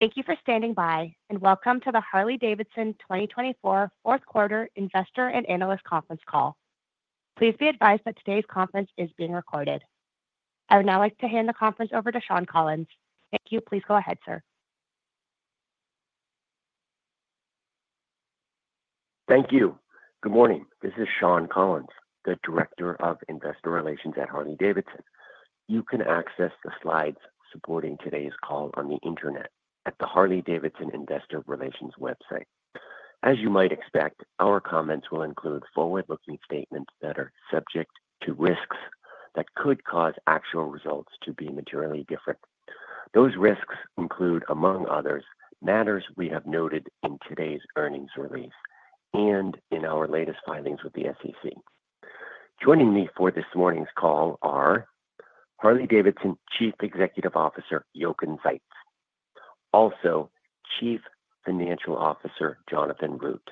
Thank you for standing by, and welcome to the Harley-Davidson 2024 Fourth Quarter Investor and Analyst Conference Call. Please be advised that today's conference is being recorded. I would now like to hand the conference over to Shawn Collins. Thank you. Please go ahead, sir. Thank you. Good morning. This is Shawn Collins, the Director of Investor Relations at Harley-Davidson. You can access the slides supporting today's call on the internet at the Harley-Davidson Investor Relations website. As you might expect, our comments will include forward-looking statements that are subject to risks that could cause actual results to be materially different. Those risks include, among others, matters we have noted in today's earnings release and in our latest filings with the SEC. Joining me for this morning's call are Harley-Davidson's Chief Executive Officer Jochen Zeitz, also Chief Financial Officer Jonathan Root,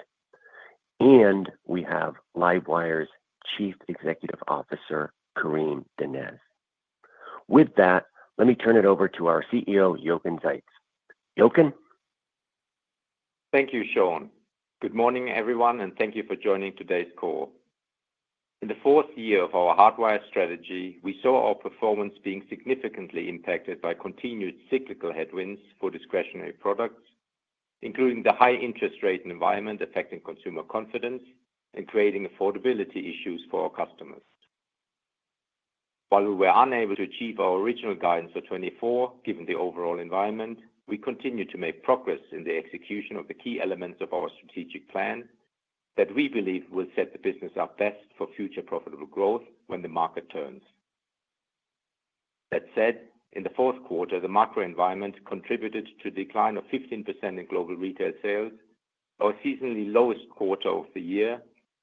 and we have LiveWire's Chief Executive Officer Karim Donnez. With that, let me turn it over to our CEO, Jochen Zeitz. Jochen? Thank you, Shawn. Good morning, everyone, and thank you for joining today's call. In the fourth year of our Hardwire strategy, we saw our performance being significantly impacted by continued cyclical headwinds for discretionary products, including the high interest rate environment affecting consumer confidence and creating affordability issues for our customers. While we were unable to achieve our original guidance for 2024, given the overall environment, we continue to make progress in the execution of the key elements of our strategic plan that we believe will set the business up best for future profitable growth when the market turns. That said, in the Q4, the macro environment contributed to a decline of 15% in global retail sales, our seasonally lowest quarter of the year,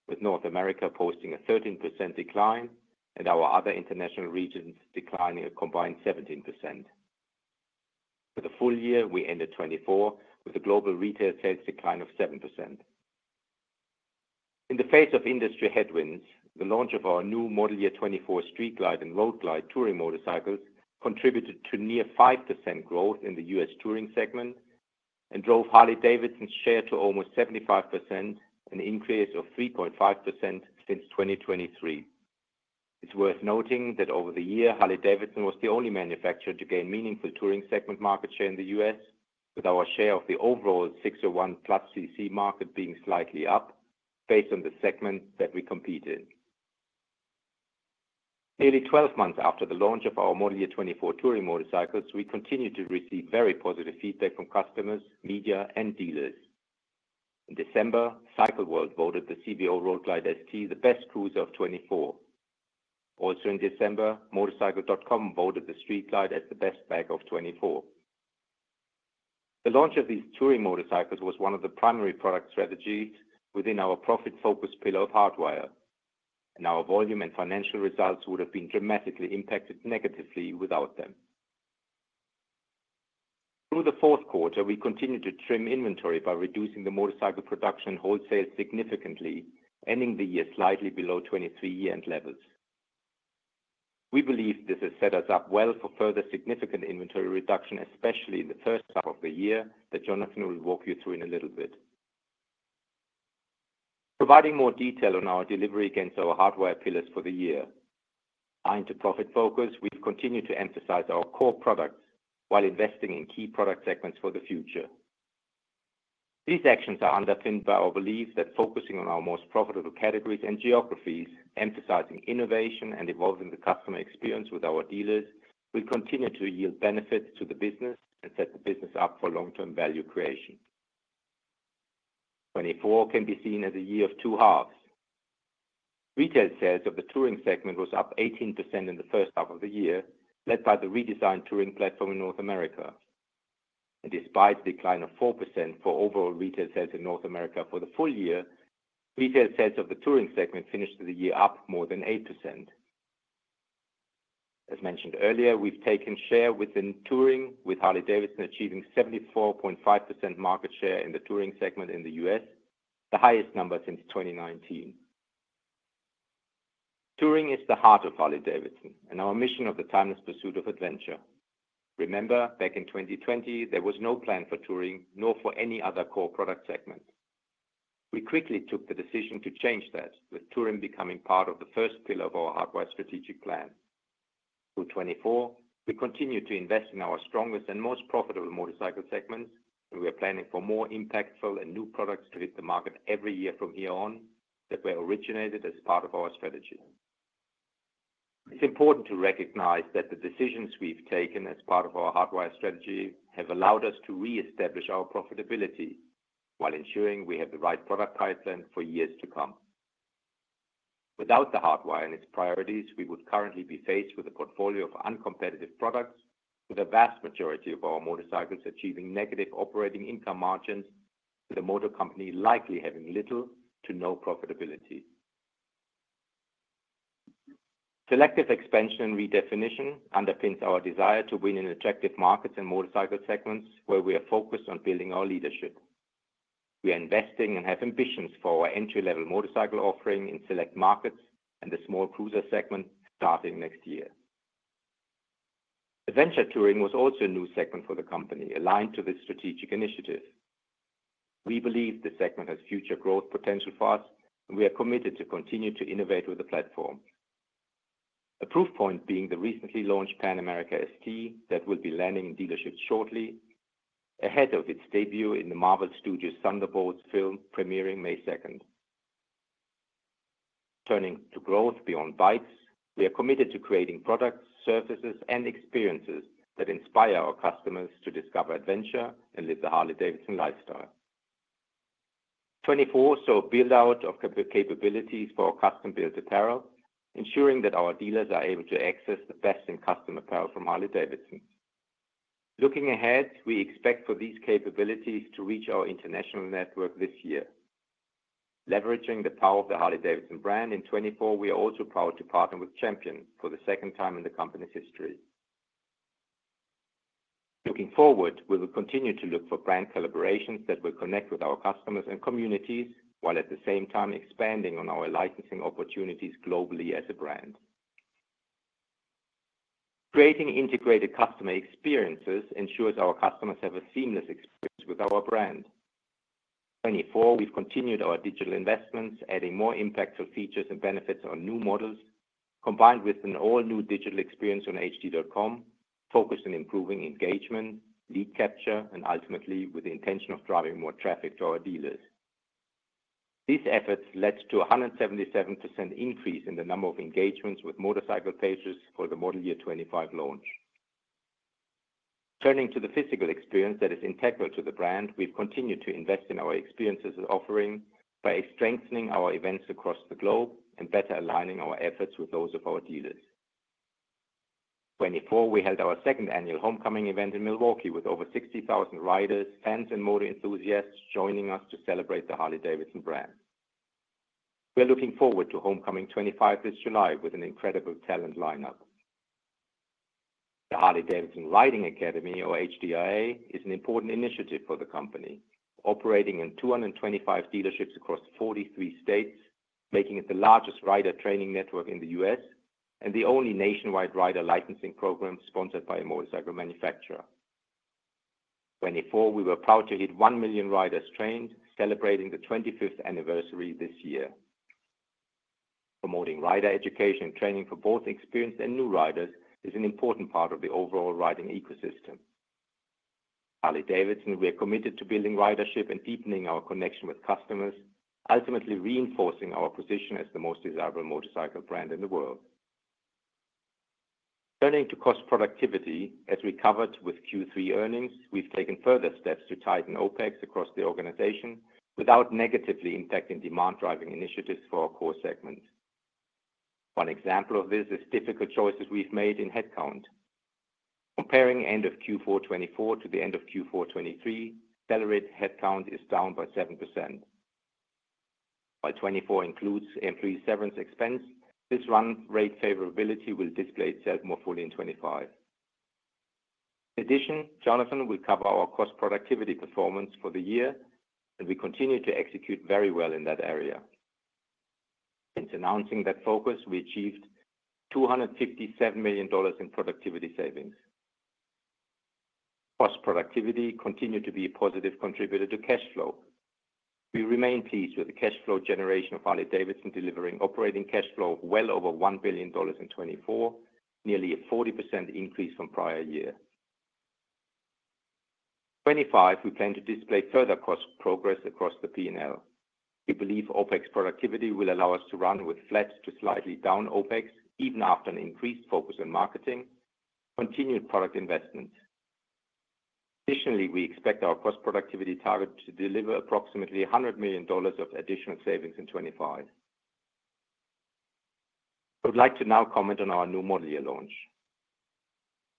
with North America posting a 13% decline and our other international regions declining a combined 17%. For the full year, we ended 2024 with a global retail sales decline of 7%. In the face of industry headwinds, the launch of our new Model Year 2024 Street Glide and Road Glide touring motorcycles contributed to near 5% growth in the US touring segment and drove Harley-Davidson's share to almost 75%, an increase of 3.5% since 2023. It's worth noting that over the year, Harley-Davidson was the only manufacturer to gain meaningful touring segment market share in the US, with our share of the overall 601+ CC market being slightly up based on the segment that we compete in. Nearly 12 months after the launch of our Model Year 2024 touring motorcycles, we continued to receive very positive feedback from customers, media, and dealers. In December, Cycle World voted the CVO Road Glide ST the best cruiser of 2024. Also in December, Motorcycle.com voted the Street Glide as the best bagger of 2024. The launch of these touring motorcycles was one of the primary product strategies within our profit-focused pillar of Hardwire, and our volume and financial results would have been dramatically impacted negatively without them. Through Q4, we continued to trim inventory by reducing the motorcycle production and wholesale significantly, ending the year slightly below 2023 year-end levels. We believe this has set us up well for further significant inventory reduction, especially in the first half of the year that Jonathan will walk you through in a little bit. Providing more detail on our delivery against our Hardwire pillars for the year, tying to profit focus, we've continued to emphasize our core products while investing in key product segments for the future. These actions are underpinned by our belief that focusing on our most profitable categories and geographies, emphasizing innovation and evolving the customer experience with our dealers, will continue to yield benefits to the business and set the business up for long-term value creation. 2024 can be seen as a year of two halves. Retail sales of the touring segment was up 18% in the first half of the year, led by the redesigned touring platform in North America. And despite a decline of 4% for overall retail sales in North America for the full year, retail sales of the touring segment finished the year up more than 8%. As mentioned earlier, we've taken share within touring, with Harley-Davidson achieving 74.5% market share in the touring segment in the US, the highest number since 2019. Touring is the heart of Harley-Davidson, and our mission of the timeless pursuit of adventure. Remember, back in 2020, there was no plan for touring, nor for any other core product segment. We quickly took the decision to change that, with touring becoming part of the first pillar of our Hardwire strategic plan. For 2024, we continue to invest in our strongest and most profitable motorcycle segments, and we are planning for more impactful and new products to hit the market every year from here on that were originated as part of our strategy. It's important to recognize that the decisions we've taken as part of our Hardwire strategy have allowed us to reestablish our profitability while ensuring we have the right product pipeline for years to come. Without the Hardwire and its priorities, we would currently be faced with a portfolio of uncompetitive products, with a vast majority of our motorcycles achieving negative operating income margins, with the motor company likely having little to no profitability. Selective expansion and redefinition underpins our desire to win in attractive markets and motorcycle segments where we are focused on building our leadership. We are investing and have ambitions for our entry-level motorcycle offering in select markets and the small cruiser segment starting next year. Adventure touring was also a new segment for the company, aligned to this strategic initiative. We believe the segment has future growth potential for us, and we are committed to continue to innovate with the platform. A proof point being the recently launched Pan America ST that will be landing in dealerships shortly, ahead of its debut in the Marvel Studios Thunderbolts film premiering May 2nd. Turning to growth beyond bikes, we are committed to creating products, services, and experiences that inspire our customers to discover adventure and live the Harley-Davidson lifestyle. 2024 saw a build-out of capabilities for our custom-built apparel, ensuring that our dealers are able to access the best-in-custom apparel from Harley-Davidson. Looking ahead, we expect for these capabilities to reach our international network this year. Leveraging the power of the Harley-Davidson brand, in 2024, we are also proud to partner with Champion for the second time in the company's history. Looking forward, we will continue to look for brand collaborations that will connect with our customers and communities while at the same time expanding on our licensing opportunities globally as a brand. Creating integrated customer experiences ensures our customers have a seamless experience with our brand. In 2024, we've continued our digital investments, adding more impactful features and benefits on new models, combined with an all-new digital experience on hd.com focused on improving engagement, lead capture, and ultimately with the intention of driving more traffic to our dealers. These efforts led to a 177% increase in the number of engagements with motorcycle pages for the Model Year 2025 launch. Turning to the physical experience that is integral to the brand, we've continued to invest in our experience offerings by strengthening our events across the globe and better aligning our efforts with those of our dealers. In 2024, we held our second annual Homecoming event in Milwaukee with over 60,000 riders, fans, and motorcycle enthusiasts joining us to celebrate the Harley-Davidson brand. We're looking forward to Homecoming 2025 this July with an incredible talent lineup. The Harley-Davidson Riding Academy, or HDRA, is an important initiative for the company, operating in 225 dealerships across 43 states, making it the largest rider training network in the US and the only nationwide rider licensing program sponsored by a motorcycle manufacturer. In 2024, we were proud to hit 1 million riders trained, celebrating the 25th anniversary this year. Promoting rider education and training for both experienced and new riders is an important part of the overall riding ecosystem. At Harley-Davidson, we are committed to building ridership and deepening our connection with customers, ultimately reinforcing our position as the most desirable motorcycle brand in the world. Turning to cost productivity, as we covered with Q3 earnings, we've taken further steps to tighten OPEx across the organization without negatively impacting demand-driving initiatives for our core segment. One example of this is difficult choices we've made in headcount. Comparing end of Q4 2024 to the end of Q4 2023, accelerated headcount is down by 7%. While 2024 includes employee severance expense, this run rate favorability will display itself more fully in 2025. In addition, Jonathan will cover our cost productivity performance for the year, and we continue to execute very well in that area. Since announcing that focus, we achieved $257 million in productivity savings. Cost productivity continued to be a positive contributor to cash flow. We remain pleased with the cash flow generation of Harley-Davidson, delivering operating cash flow well over $1 billion in 2024, nearly a 40% increase from prior year. In 2025, we plan to display further cost progress across the P&L. We believe OPEX productivity will allow us to run with flat to slightly down OPEX, even after an increased focus on marketing, continued product investments. Additionally, we expect our cost productivity target to deliver approximately $100 million of additional savings in 2025. I would like to now comment on our new model year launch.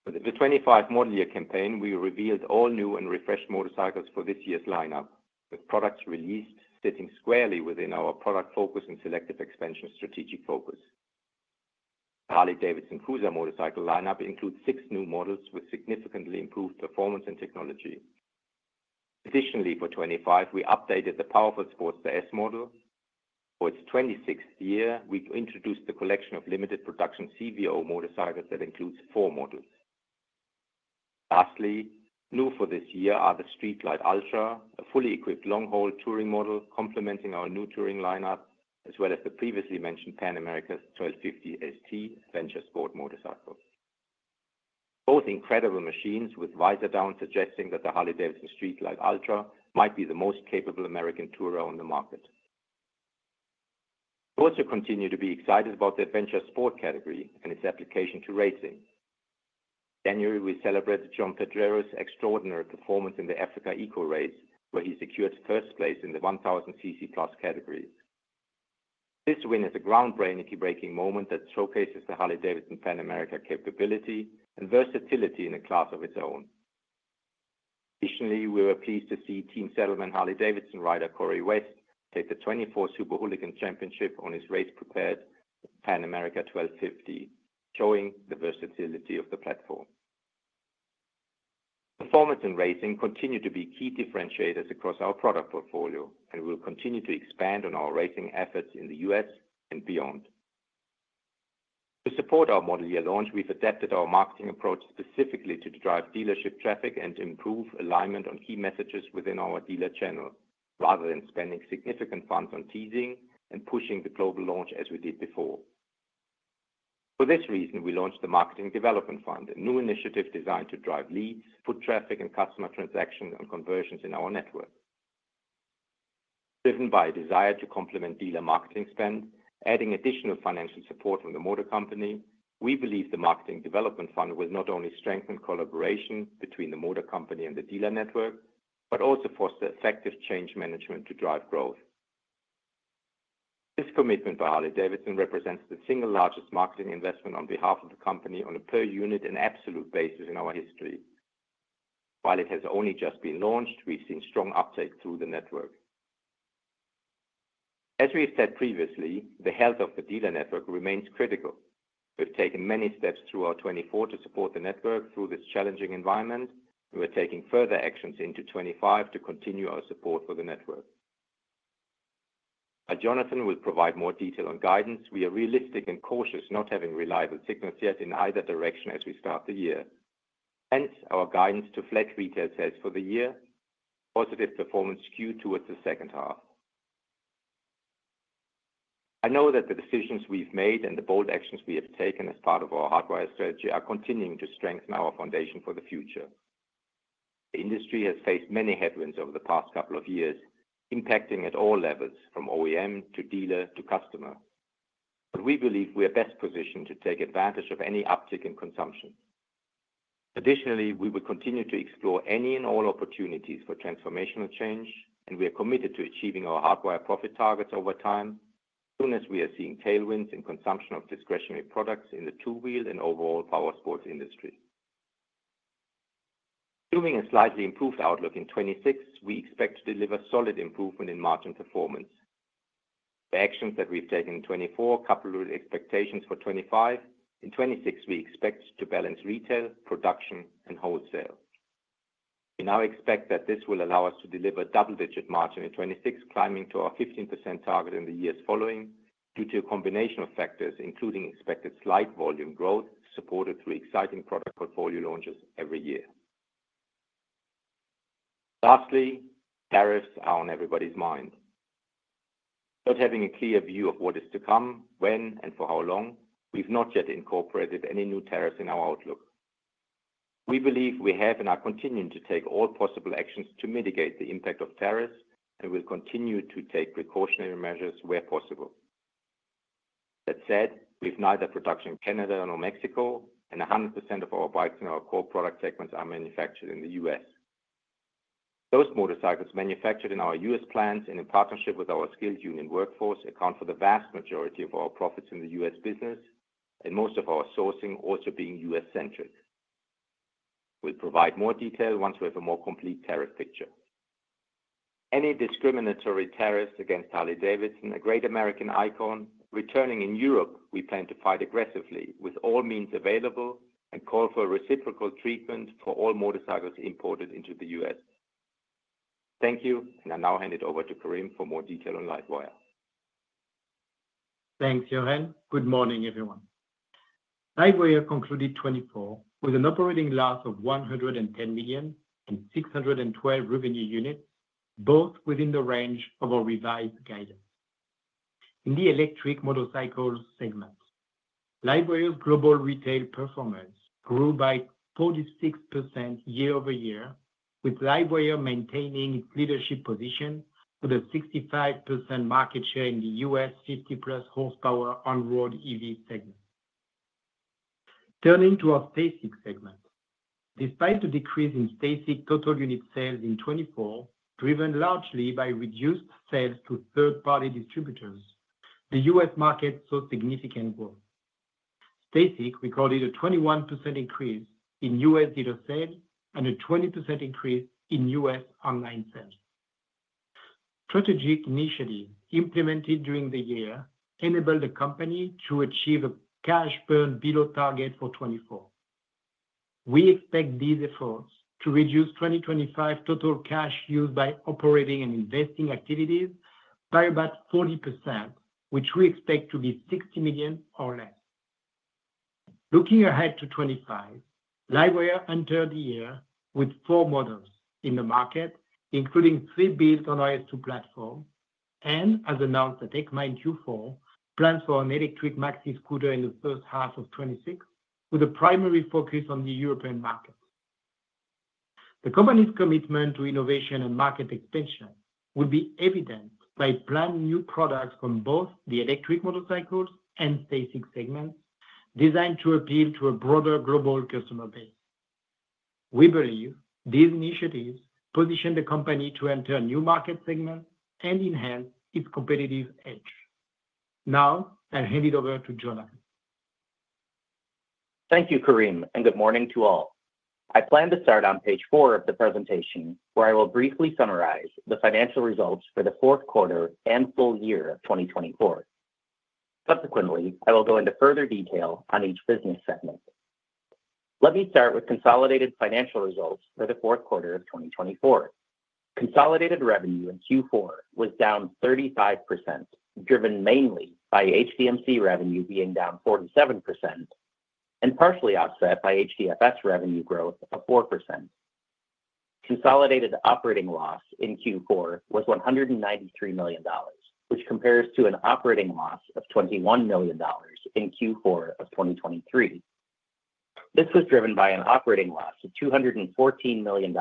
For the 2025 model year campaign, we revealed all new and refreshed motorcycles for this year's lineup, with products released sitting squarely within our product focus and selective expansion strategic focus. The Harley-Davidson Cruiser motorcycle lineup includes six new models with significantly improved performance and technology. Additionally, for 2025, we updated the powerful Sportster S model. For its 26th year, we introduced the collection of limited production CVO motorcycles that includes four models. Lastly, new for this year are the Street Glide Ultra, a fully equipped long-haul touring model complementing our new touring lineup, as well as the previously mentioned Pan America 1250 ST Adventure Sport motorcycle. Both incredible machines, with visor down suggesting that the Harley-Davidson Street Glide Ultra might be the most capable American tourer on the market. We also continue to be excited about the Adventure Sport category and its application to racing. In January, we celebrated Joan Pedrero's extraordinary performance in the Africa Eco Race, where he secured first place in the 1,000 cc plus categories. This win is a groundbreaking moment that showcases the Harley-Davidson Pan America capability and versatility in a class of its own. Additionally, we were pleased to see Team Saddlemen Harley-Davidson rider Corey West take the 2024 Super Hooligan Championship on his race-prepared Pan America 1250, showing the versatility of the platform. Performance and racing continue to be key differentiators across our product portfolio, and we will continue to expand on our racing efforts in the US and beyond. To support our model year launch, we've adapted our marketing approach specifically to drive dealership traffic and improve alignment on key messages within our dealer channel, rather than spending significant funds on teasing and pushing the global launch as we did before. For this reason, we launched the Marketing Development Fund, a new initiative designed to drive leads, foot traffic, and customer transactions and conversions in our network. Driven by a desire to complement dealer marketing spend, adding additional financial support from the motor company, we believe the Marketing Development Fund will not only strengthen collaboration between the motor company and the dealer network, but also foster effective change management to drive growth. This commitment by Harley-Davidson represents the single largest marketing investment on behalf of the company on a per-unit and absolute basis in our history. While it has only just been launched, we've seen strong uptake through the network. As we have said previously, the health of the dealer network remains critical. We've taken many steps throughout 2024 to support the network through this challenging environment, and we're taking further actions into 2025 to continue our support for the network. While Jonathan will provide more detail on guidance, we are realistic and cautious, not having reliable signals yet in either direction as we start the year. Hence, our guidance to flat retail sales for the year, positive performance skewed towards the second half. I know that the decisions we've made and the bold actions we have taken as part of our Hardwire strategy are continuing to strengthen our foundation for the future. The industry has faced many headwinds over the past couple of years, impacting at all levels, from OEM to dealer to customer. But we believe we are best positioned to take advantage of any uptick in consumption. Additionally, we will continue to explore any and all opportunities for transformational change, and we are committed to achieving our Hardwire profit targets over time, as soon as we are seeing tailwinds in consumption of discretionary products in the two-wheel and overall power sports industry. Assuming a slightly improved outlook in 2026, we expect to deliver solid improvement in margin performance. The actions that we've taken in 2024 coupled with expectations for 2025. In 2026 we expect to balance retail, production, and wholesale. We now expect that this will allow us to deliver double-digit margin in 2026, climbing to our 15% target in the years following due to a combination of factors, including expected slight volume growth supported through exciting product portfolio launches every year. Lastly, tariffs are on everybody's mind. Without having a clear view of what is to come, when, and for how long, we've not yet incorporated any new tariffs in our outlook. We believe we have and are continuing to take all possible actions to mitigate the impact of tariffs, and we'll continue to take precautionary measures where possible. That said, we have neither production in Canada nor Mexico, and 100% of our bikes in our core product segments are manufactured in the US. Those motorcycles manufactured in our US plants and in partnership with our skilled union workforce account for the vast majority of our profits in the US business, and most of our sourcing also being US-centric. We'll provide more detail once we have a more complete tariff picture. Any discriminatory tariffs against Harley-Davidson, a great American icon, returning in Europe, we plan to fight aggressively with all means available and call for reciprocal treatment for all motorcycles imported into the US Thank you, and I now hand it over to Karim for more detail on LiveWire. Thanks, Jochen. Good morning, everyone. LiveWire concluded 2024 with an operating loss of $110 million and 612 revenue units, both within the range of our revised guidance. In the electric motorcycle segment, LiveWire's global retail performance grew by 46% year over year, with LiveWire maintaining its leadership position with a 65% market share in the US 50-plus horsepower on-road EV segment. Turning to our STACYC segment, despite the decrease in STACYC total unit sales in 2024, driven largely by reduced sales to third-party distributors, the US market saw significant growth. STACYC recorded a 21% increase in US dealer sales and a 20% increase in US online sales. Strategic initiatives implemented during the year enabled the company to achieve a cash burn below target for 2024. We expect these efforts to reduce 2025 total cash used by operating and investing activities by about 40%, which we expect to be $60 million or less. Looking ahead to 2025, LiveWire entered the year with four models in the market, including three built on our S2 platform, and, as announced at EICMA in Q4, plans for an electric maxi scooter in the first half of 2026, with a primary focus on the European market. The company's commitment to innovation and market expansion will be evident by planning new products from both the electric motorcycles and STACYC segments designed to appeal to a broader global customer base. We believe these initiatives position the company to enter a new market segment and enhance its competitive edge. Now, I'll hand it over to Jonathan. Thank you, Karim, and good morning to all. I plan to start on page four of the presentation, where I will briefly summarize the financial results for Q4 and full year of 2024. Subsequently, I will go into further detail on each business segment. Let me start with consolidated financial results for Q4 of 2024. Consolidated revenue in Q4 was down 35%, driven mainly by HDMC revenue being down 47% and partially offset by HDFS revenue growth of 4%. Consolidated operating loss in Q4 was $193 million, which compares to an operating loss of $21 million in Q4 of 2023. This was driven by an operating loss of $214 million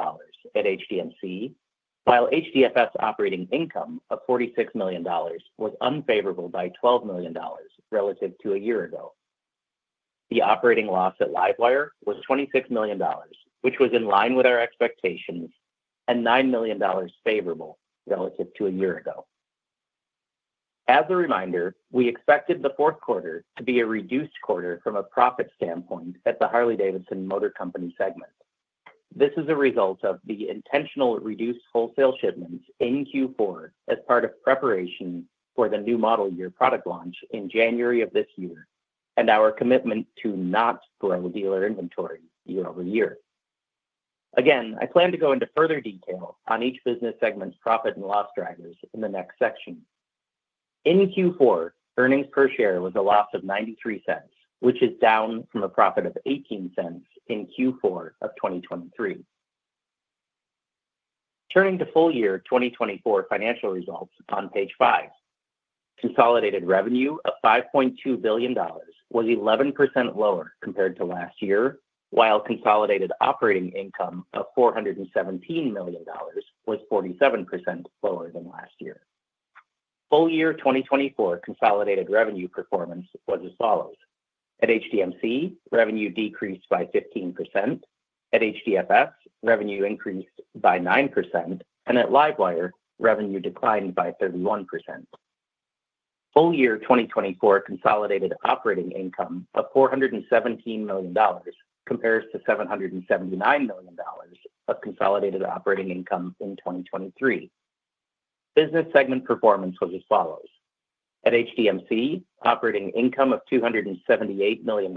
at HDMC, while HDFS operating income of $46 million was unfavorable by $12 million relative to a year ago. The operating loss at LiveWire was $26 million, which was in line with our expectations, and $9 million favorable relative to a year ago. As a reminder, we expected Q4 to be a reduced quarter from a profit standpoint at the Harley-Davidson Motor Company segment. This is a result of the intentional reduced wholesale shipments in Q4 as part of preparation for the new model year product launch in January of this year and our commitment to not grow dealer inventory year over year. Again, I plan to go into further detail on each business segment's profit and loss drivers in the next section. In Q4, earnings per share was a loss of $0.93, which is down from a profit of 0.18 in Q4 of 2023. Turning to full year 2024 financial results on page five, consolidated revenue of $5.2 billion was 11% lower compared to last year, while consolidated operating income of $417 million was 47% lower than last year. Full year 2024 consolidated revenue performance was as follows. At HDMC, revenue decreased by 15%. At HDFS, revenue increased by 9%, and at LiveWire, revenue declined by 31%. Full year 2024 consolidated operating income of $417 compares to 779 million of consolidated operating income in 2023. Business segment performance was as follows. At HDMC, operating income of $278 million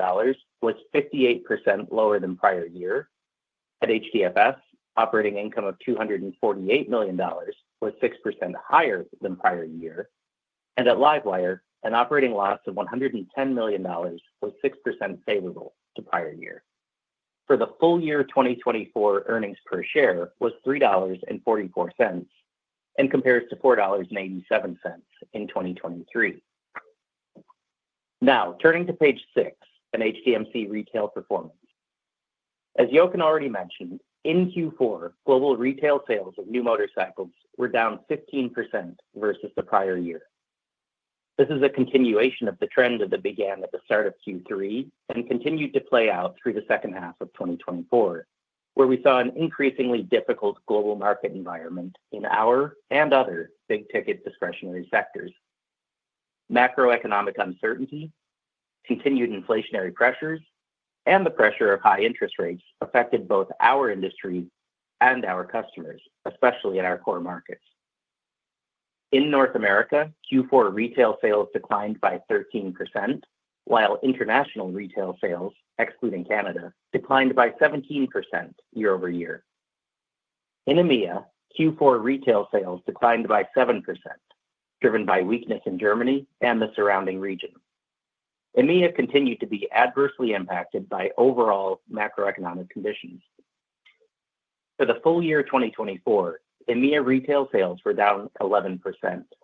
was 58% lower than prior year. At HDFS, operating income of $248 million was 6% higher than prior year. At LiveWire, an operating loss of $110 million was 6% favorable to prior year. For the full year 2024, earnings per share was $3.44 and compares to 4.87 in 2023. Now, turning to page six and HDMC retail performance. As Jochen already mentioned, in Q4, global retail sales of new motorcycles were down 15% versus the prior year. This is a continuation of the trend that began at the start of Q3 and continued to play out through the second half of 2024, where we saw an increasingly difficult global market environment in our and other big-ticket discretionary sectors. Macroeconomic uncertainty, continued inflationary pressures, and the pressure of high interest rates affected both our industry and our customers, especially in our core markets. In North America, Q4 retail sales declined by 13%, while international retail sales, excluding Canada, declined by 17% year over year. In EMEA, Q4 retail sales declined by 7%, driven by weakness in Germany and the surrounding region. EMEA continued to be adversely impacted by overall macroeconomic conditions. For the full year 2024, EMEA retail sales were down 11%,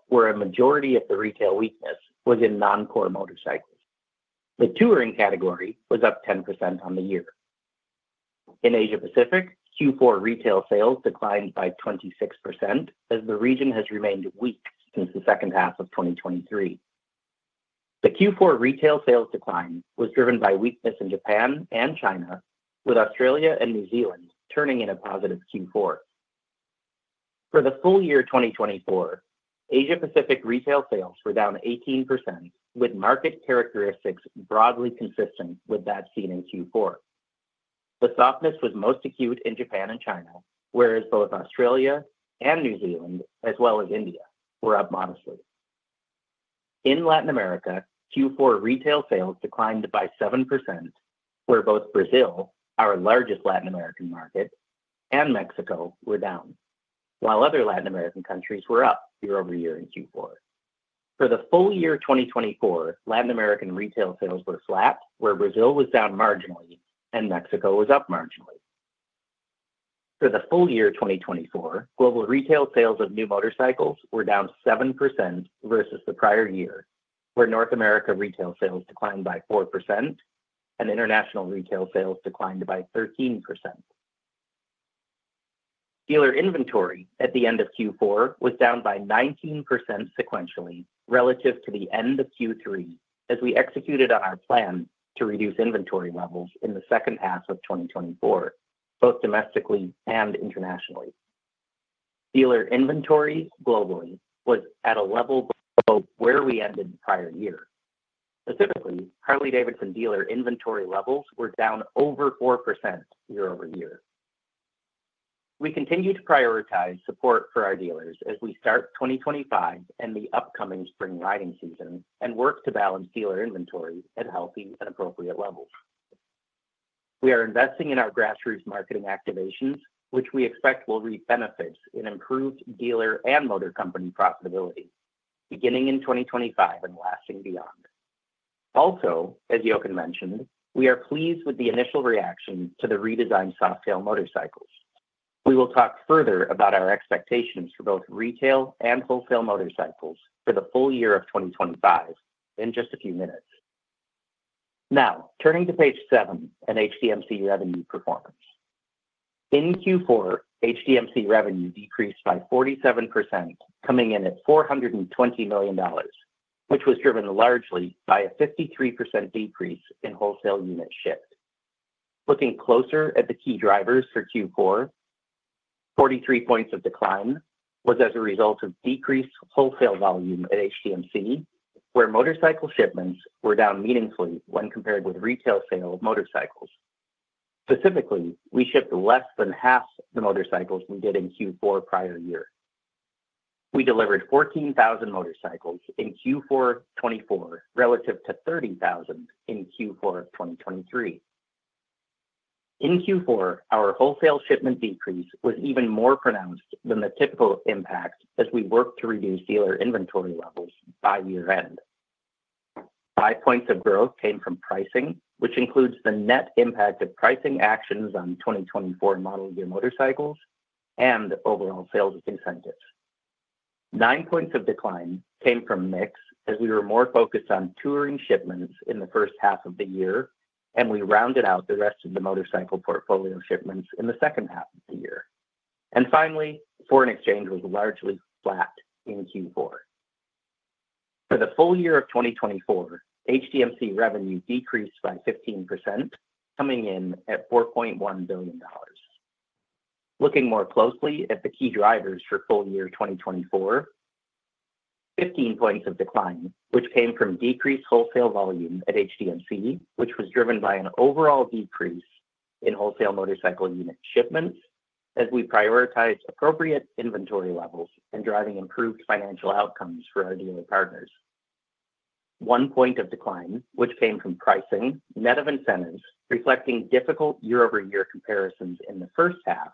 where a majority of the retail weakness was in non-core motorcycles. The touring category was up 10% on the year. In Asia-Pacific, Q4 retail sales declined by 26%, as the region has remained weak since the second half of 2023. The Q4 retail sales decline was driven by weakness in Japan and China, with Australia and New Zealand turning in a positive Q4. For the full year 2024, Asia-Pacific retail sales were down 18%, with market characteristics broadly consistent with that seen in Q4. The softness was most acute in Japan and China, whereas both Australia and New Zealand, as well as India, were up modestly. In Latin America, Q4 retail sales declined by 7%, where both Brazil, our largest Latin American market, and Mexico were down, while other Latin American countries were up year over year in Q4. For the full year 2024, Latin American retail sales were flat, where Brazil was down marginally and Mexico was up marginally. For the full year 2024, global retail sales of new motorcycles were down 7% versus the prior year, where North America retail sales declined by 4% and international retail sales declined by 13%. Dealer inventory at the end of Q4 was down by 19% sequentially relative to the end of Q3, as we executed on our plan to reduce inventory levels in the second half of 2024, both domestically and internationally. Dealer inventory globally was at a level below where we ended the prior year. Specifically, Harley-Davidson dealer inventory levels were down over 4% year over year. We continue to prioritize support for our dealers as we start 2025 and the upcoming spring riding season and work to balance dealer inventory at healthy and appropriate levels. We are investing in our grassroots marketing activations, which we expect will reap benefits in improved dealer and motor company profitability, beginning in 2025 and lasting beyond. Also, as Jochen mentioned, we are pleased with the initial reaction to the redesigned Softail motorcycles. We will talk further about our expectations for both retail and wholesale motorcycles for the full year of 2025 in just a few minutes. Now, turning to page seven and HDMC revenue performance. In Q4, HDMC revenue decreased by 47%, coming in at $420 million, which was driven largely by a 53% decrease in wholesale unit shipments. Looking closer at the key drivers for Q4, 43 points of decline was as a result of decreased wholesale volume at HDMC, where motorcycle shipments were down meaningfully when compared with retail sales of motorcycles. Specifically, we shipped less than half the motorcycles we did in Q4 prior year. We delivered 14,000 motorcycles in Q4 2024 relative to 30,000 in Q4 of 2023. In Q4, our wholesale shipment decrease was even more pronounced than the typical impact as we worked to reduce dealer inventory levels by year-end. Five points of growth came from pricing, which includes the net impact of pricing actions on 2024 model year motorcycles and overall sales with incentives. Nine points of decline came from mix as we were more focused on touring shipments in the first half of the year, and we rounded out the rest of the motorcycle portfolio shipments in the second half of the year. And finally, foreign exchange was largely flat in Q4. For the full year of 2024, HDMC revenue decreased by 15%, coming in at $4.1 billion. Looking more closely at the key drivers for full year 2024, 15 points of decline, which came from decreased wholesale volume at HDMC, which was driven by an overall decrease in wholesale motorcycle unit shipments as we prioritized appropriate inventory levels and driving improved financial outcomes for our dealer partners. One point of decline, which came from pricing, net of incentives, reflecting difficult year-over-year comparisons in the first half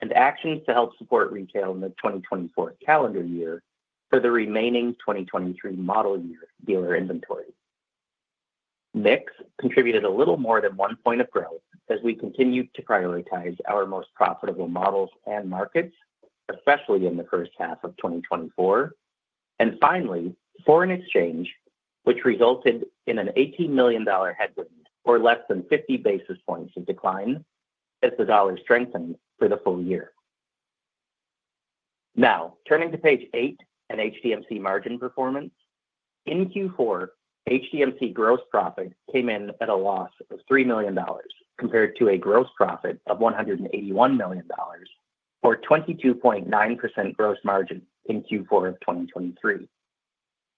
and actions to help support retail in the 2024 calendar year for the remaining 2023 model year dealer inventory. Mix contributed a little more than one point of growth as we continued to prioritize our most profitable models and markets, especially in the first half of 2024, and finally, foreign exchange, which resulted in an $18 million headwind or less than 50 basis points of decline as the dollar strengthened for the full year. Now, turning to page eight and HDMC margin performance. In Q4, HDMC gross profit came in at a loss of $3 compared to a gross profit of $181 million for a 22.9% gross margin in Q4 of 2023.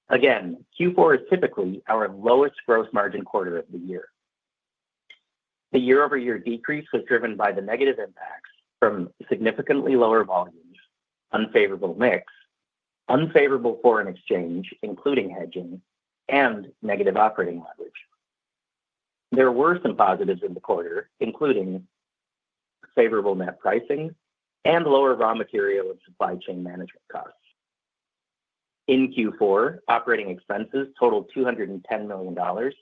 Again, Q4 is typically our lowest gross margin quarter of the year. The year-over-year decrease was driven by the negative impacts from significantly lower volumes, unfavorable mix, unfavorable foreign exchange, including hedging, and negative operating leverage. There were some positives in the quarter, including favorable net pricing and lower raw material and supply chain management costs. In Q4, operating expenses totaled $210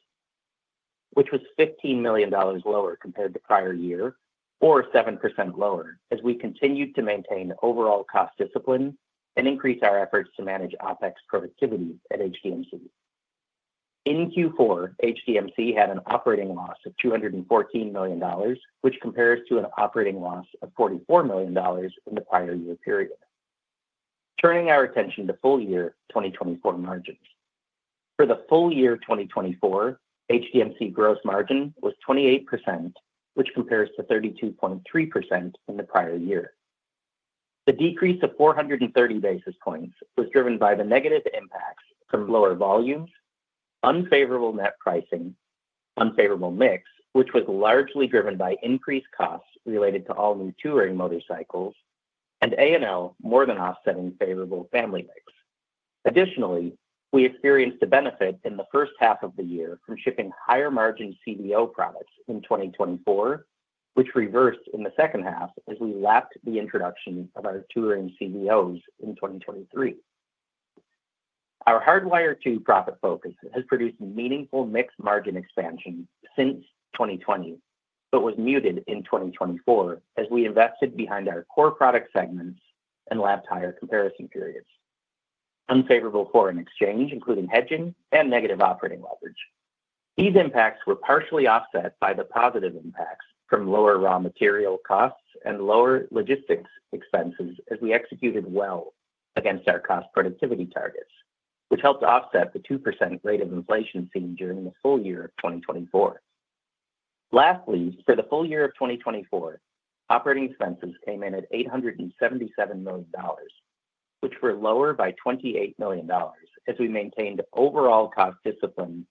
which was 15 million lower compared to prior year or 7% lower as we continued to maintain overall cost discipline and increase our efforts to manage OPEX productivity at HDMC. In Q4, HDMC had an operating loss of $214, which compares to an operating loss of 44 million in the prior year period. Turning our attention to full year 2024 margins. For the full year 2024, HDMC gross margin was 28%, which compares to 32.3% in the prior year. The decrease of 430 basis points was driven by the negative impacts from lower volumes, unfavorable net pricing, unfavorable mix, which was largely driven by increased costs related to all new touring motorcycles, and A&L more than offsetting favorable family mix. Additionally, we experienced a benefit in the first half of the year from shipping higher margin CVO products in 2024, which reversed in the second half as we lapped the introduction of our touring CVOs in 2023. Our Hardwire 2 profit focus has produced meaningful mixed margin expansion since 2020, but was muted in 2024 as we invested behind our core product segments and lapped higher comparison periods. Unfavorable foreign exchange, including hedging, and negative operating leverage. These impacts were partially offset by the positive impacts from lower raw material costs and lower logistics expenses as we executed well against our cost productivity targets, which helped offset the 2% rate of inflation seen during the full year of 2024. Lastly, for the full year of 2024, operating expenses came in at $877, which were lower by 28 million as we maintained overall cost discipline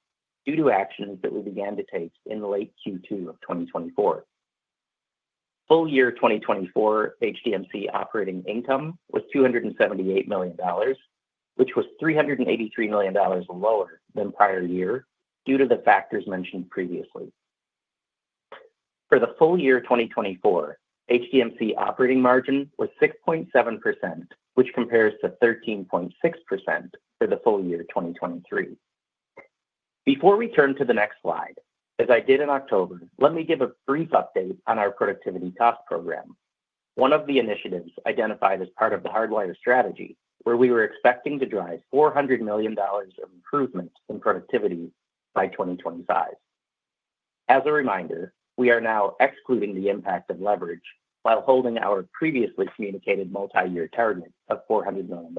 due to actions that we began to take in late Q2 of 2024. Full year 2024 HDMC operating income was $278 which was 383 million lower than prior year due to the factors mentioned previously. For the full year 2024, HDMC operating margin was 6.7%, which compares to 13.6% for the full year 2023. Before we turn to the next slide, as I did in October, let me give a brief update on our productivity cost program, one of the initiatives identified as part of the Hardwire strategy, where we were expecting to drive $400 million of improvements in productivity by 2025. As a reminder, we are now excluding the impact of leverage while holding our previously communicated multi-year target of $400 million.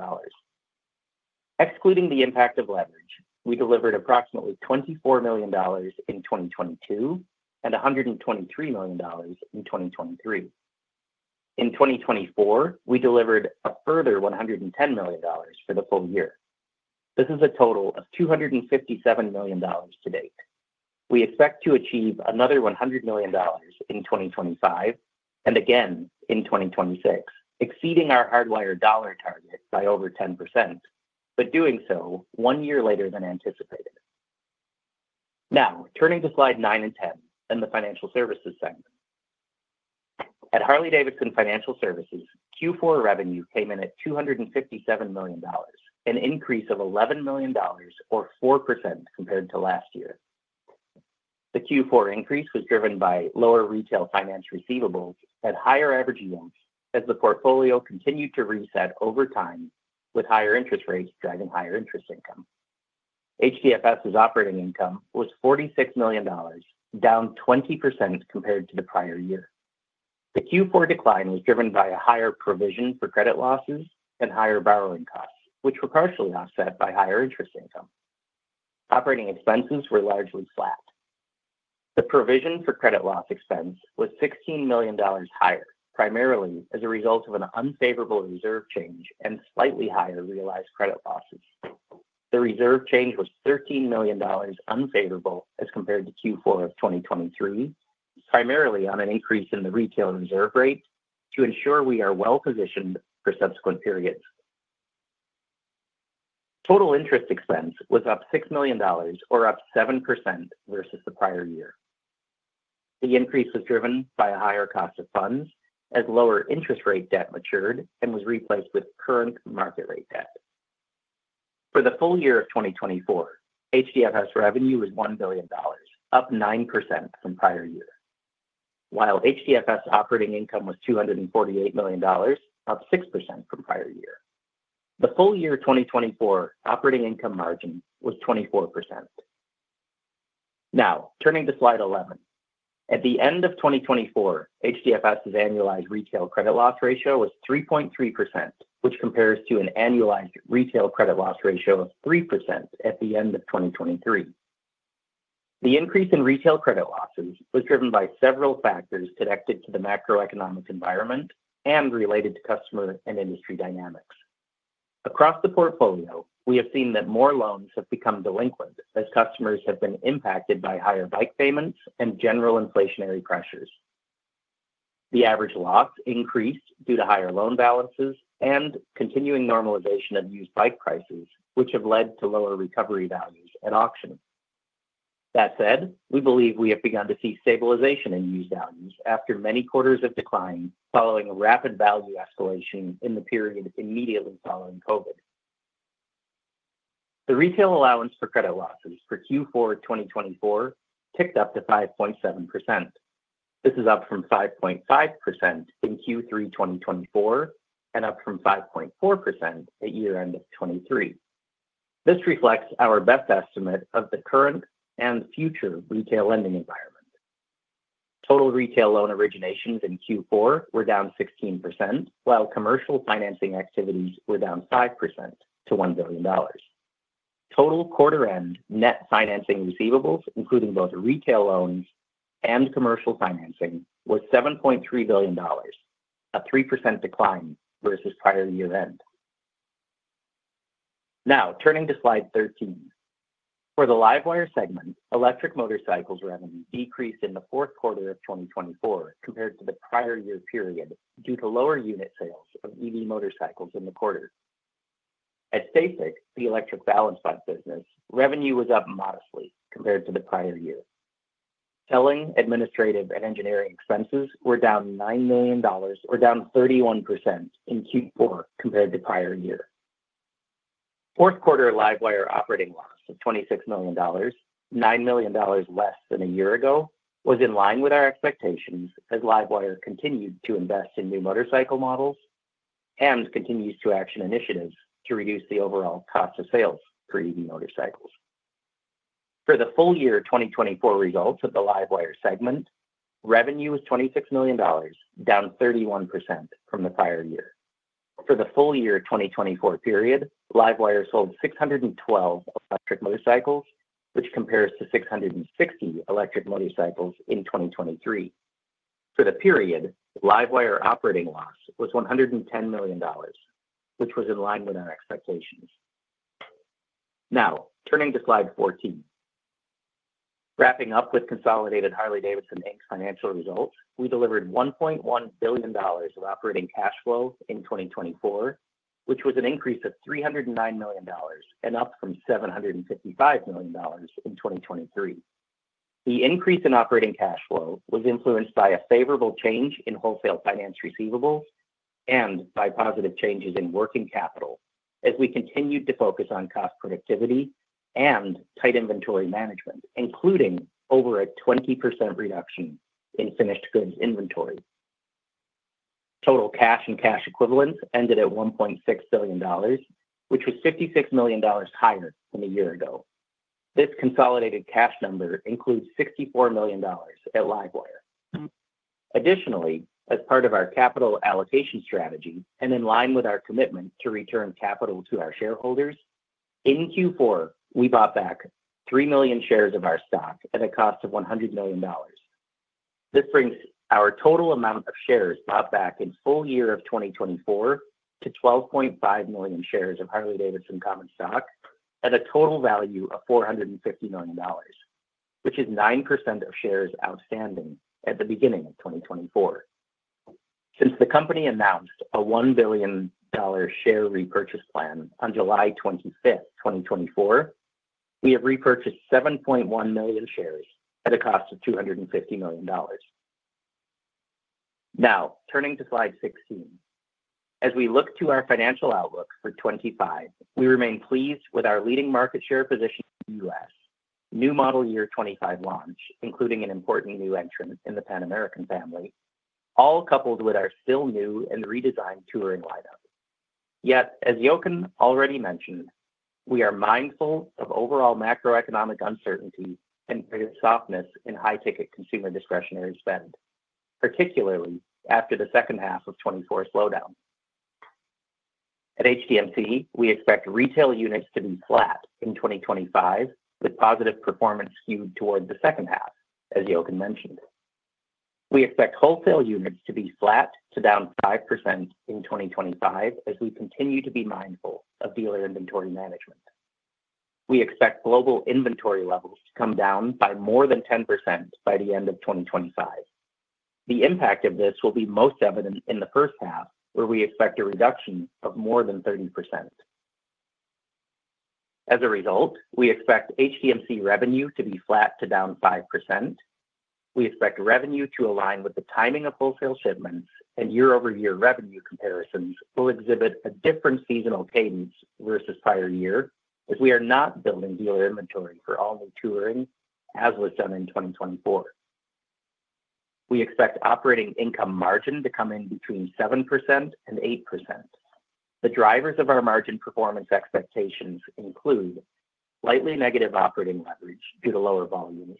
Excluding the impact of leverage, we delivered approximately $24 in 2022 and 123 million in 2023. In 2024, we delivered a further $110 million for the full year. This is a total of $257 million to date. We expect to achieve another $100 million in 2025 and again in 2026, exceeding our Hardwire dollar target by over 10%, but doing so one year later than anticipated. Now, turning to slide nine and ten and the financial services segment. At Harley-Davidson Financial Services, Q4 revenue came in at $257 an increase of 11 million or 4% compared to last year. The Q4 increase was driven by lower retail finance receivables and higher average yields as the portfolio continued to reset over time with higher interest rates driving higher interest income. HDFS's operating income was $46 million, down 20% compared to the prior year. The Q4 decline was driven by a higher provision for credit losses and higher borrowing costs, which were partially offset by higher interest income. Operating expenses were largely flat. The provision for credit loss expense was $16 million higher, primarily as a result of an unfavorable reserve change and slightly higher realized credit losses. The reserve change was $13 million unfavorable as compared to Q4 of 2023, primarily on an increase in the retail reserve rate to ensure we are well-positioned for subsequent periods. Total interest expense was up $6 million or up 7% versus the prior year. The increase was driven by a higher cost of funds as lower interest rate debt matured and was replaced with current market rate debt. For the full year of 2024, HDFS revenue was $1 billion, up 9% from prior year, while HDFS operating income was $248 million, up 6% from prior year. The full year 2024 operating income margin was 24%. Now, turning to slide 11. At the end of 2024, HDFS's annualized retail credit loss ratio was 3.3%, which compares to an annualized retail credit loss ratio of 3% at the end of 2023. The increase in retail credit losses was driven by several factors connected to the macroeconomic environment and related to customer and industry dynamics. Across the portfolio, we have seen that more loans have become delinquent as customers have been impacted by higher bike payments and general inflationary pressures. The average loss increased due to higher loan balances and continuing normalization of used bike prices, which have led to lower recovery values at auction. That said, we believe we have begun to see stabilization in used values after many quarters of decline following a rapid value escalation in the period immediately following COVID. The retail allowance for credit losses for Q4 2024 ticked up to 5.7%. This is up from 5.5% in Q3 2024 and up from 5.4% at year-end of 2023. This reflects our best estimate of the current and future retail lending environment. Total retail loan originations in Q4 were down 16%, while commercial financing activities were down 5% to $1 billion. Total quarter-end net financing receivables, including both retail loans and commercial financing, were $7.3 billion, a 3% decline versus prior year-end. Now, turning to slide 13. For the LiveWire segment, electric motorcycles revenue decreased in Q4 of 2024 compared to the prior year period due to lower unit sales of EV motorcycles in the quarter. At STACYC, the electric balance bike business, revenue was up modestly compared to the prior year. Selling, administrative, and engineering expenses were down $9 million or down 31% in Q4 compared to prior year.Q4 LiveWire operating loss of $26, 9 million less than a year ago, was in line with our expectations as LiveWire continued to invest in new motorcycle models and continues to action initiatives to reduce the overall cost of sales for EV motorcycles. For the full year 2024 results of the LiveWire segment, revenue was $26 million, down 31% from the prior year. For the full year 2024 period, LiveWire sold 612 electric motorcycles, which compares to 660 electric motorcycles in 2023. For the period, LiveWire operating loss was $110 million, which was in line with our expectations. Now, turning to slide 14. Wrapping up with consolidated Harley-Davidson, Inc. financial results, we delivered $1.1 billion of operating cash flow in 2024, which was an increase of $309 and up from 755 million in 2023. The increase in operating cash flow was influenced by a favorable change in wholesale finance receivables and by positive changes in working capital as we continued to focus on cost productivity and tight inventory management, including over a 20% reduction in finished goods inventory. Total cash and cash equivalents ended at $1.6 billion, which was $56 million higher than a year ago. This consolidated cash number includes $64 million at LiveWire. Additionally, as part of our capital allocation strategy and in line with our commitment to return capital to our shareholders, in Q4, we bought back 3 million shares of our stock at a cost of $100 million. This brings our total amount of shares bought back in full year of 2024 to 12.5 million shares of Harley-Davidson Common Stock at a total value of $450 million, which is 9% of shares outstanding at the beginning of 2024. Since the company announced a $1 billion share repurchase plan on July 25, 2024, we have repurchased 7.1 million shares at a cost of $250 million. Now, turning to slide 16. As we look to our financial outlook for 2025, we remain pleased with our leading market share position in the US, new model year 2025 launch, including an important new entrant in the Pan America family, all coupled with our still new and redesigned touring lineup. Yet, as Jochen already mentioned, we are mindful of overall macroeconomic uncertainty and greater softness in high-ticket consumer discretionary spend, particularly after the second half of 2024 slowdown. At HDMC, we expect retail units to be flat in 2025 with positive performance skewed toward the second half, as Jochen mentioned. We expect wholesale units to be flat to down 5% in 2025 as we continue to be mindful of dealer inventory management. We expect global inventory levels to come down by more than 10% by the end of 2025. The impact of this will be most evident in the first half, where we expect a reduction of more than 30%. As a result, we expect HDMC revenue to be flat to down 5%. We expect revenue to align with the timing of wholesale shipments, and year-over-year revenue comparisons will exhibit a different seasonal cadence versus prior year as we are not building dealer inventory for all new touring as was done in 2024. We expect operating income margin to come in between 7% and 8%. The drivers of our margin performance expectations include slightly negative operating leverage due to lower volumes,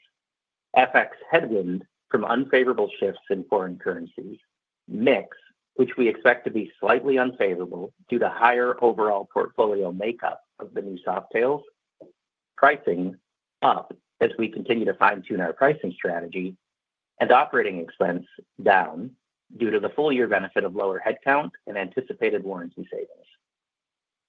FX headwind from unfavorable shifts in foreign currencies, mix, which we expect to be slightly unfavorable due to higher overall portfolio makeup of the new Softails, pricing up as we continue to fine-tune our pricing strategy, and operating expense down due to the full year benefit of lower headcount and anticipated warranty savings.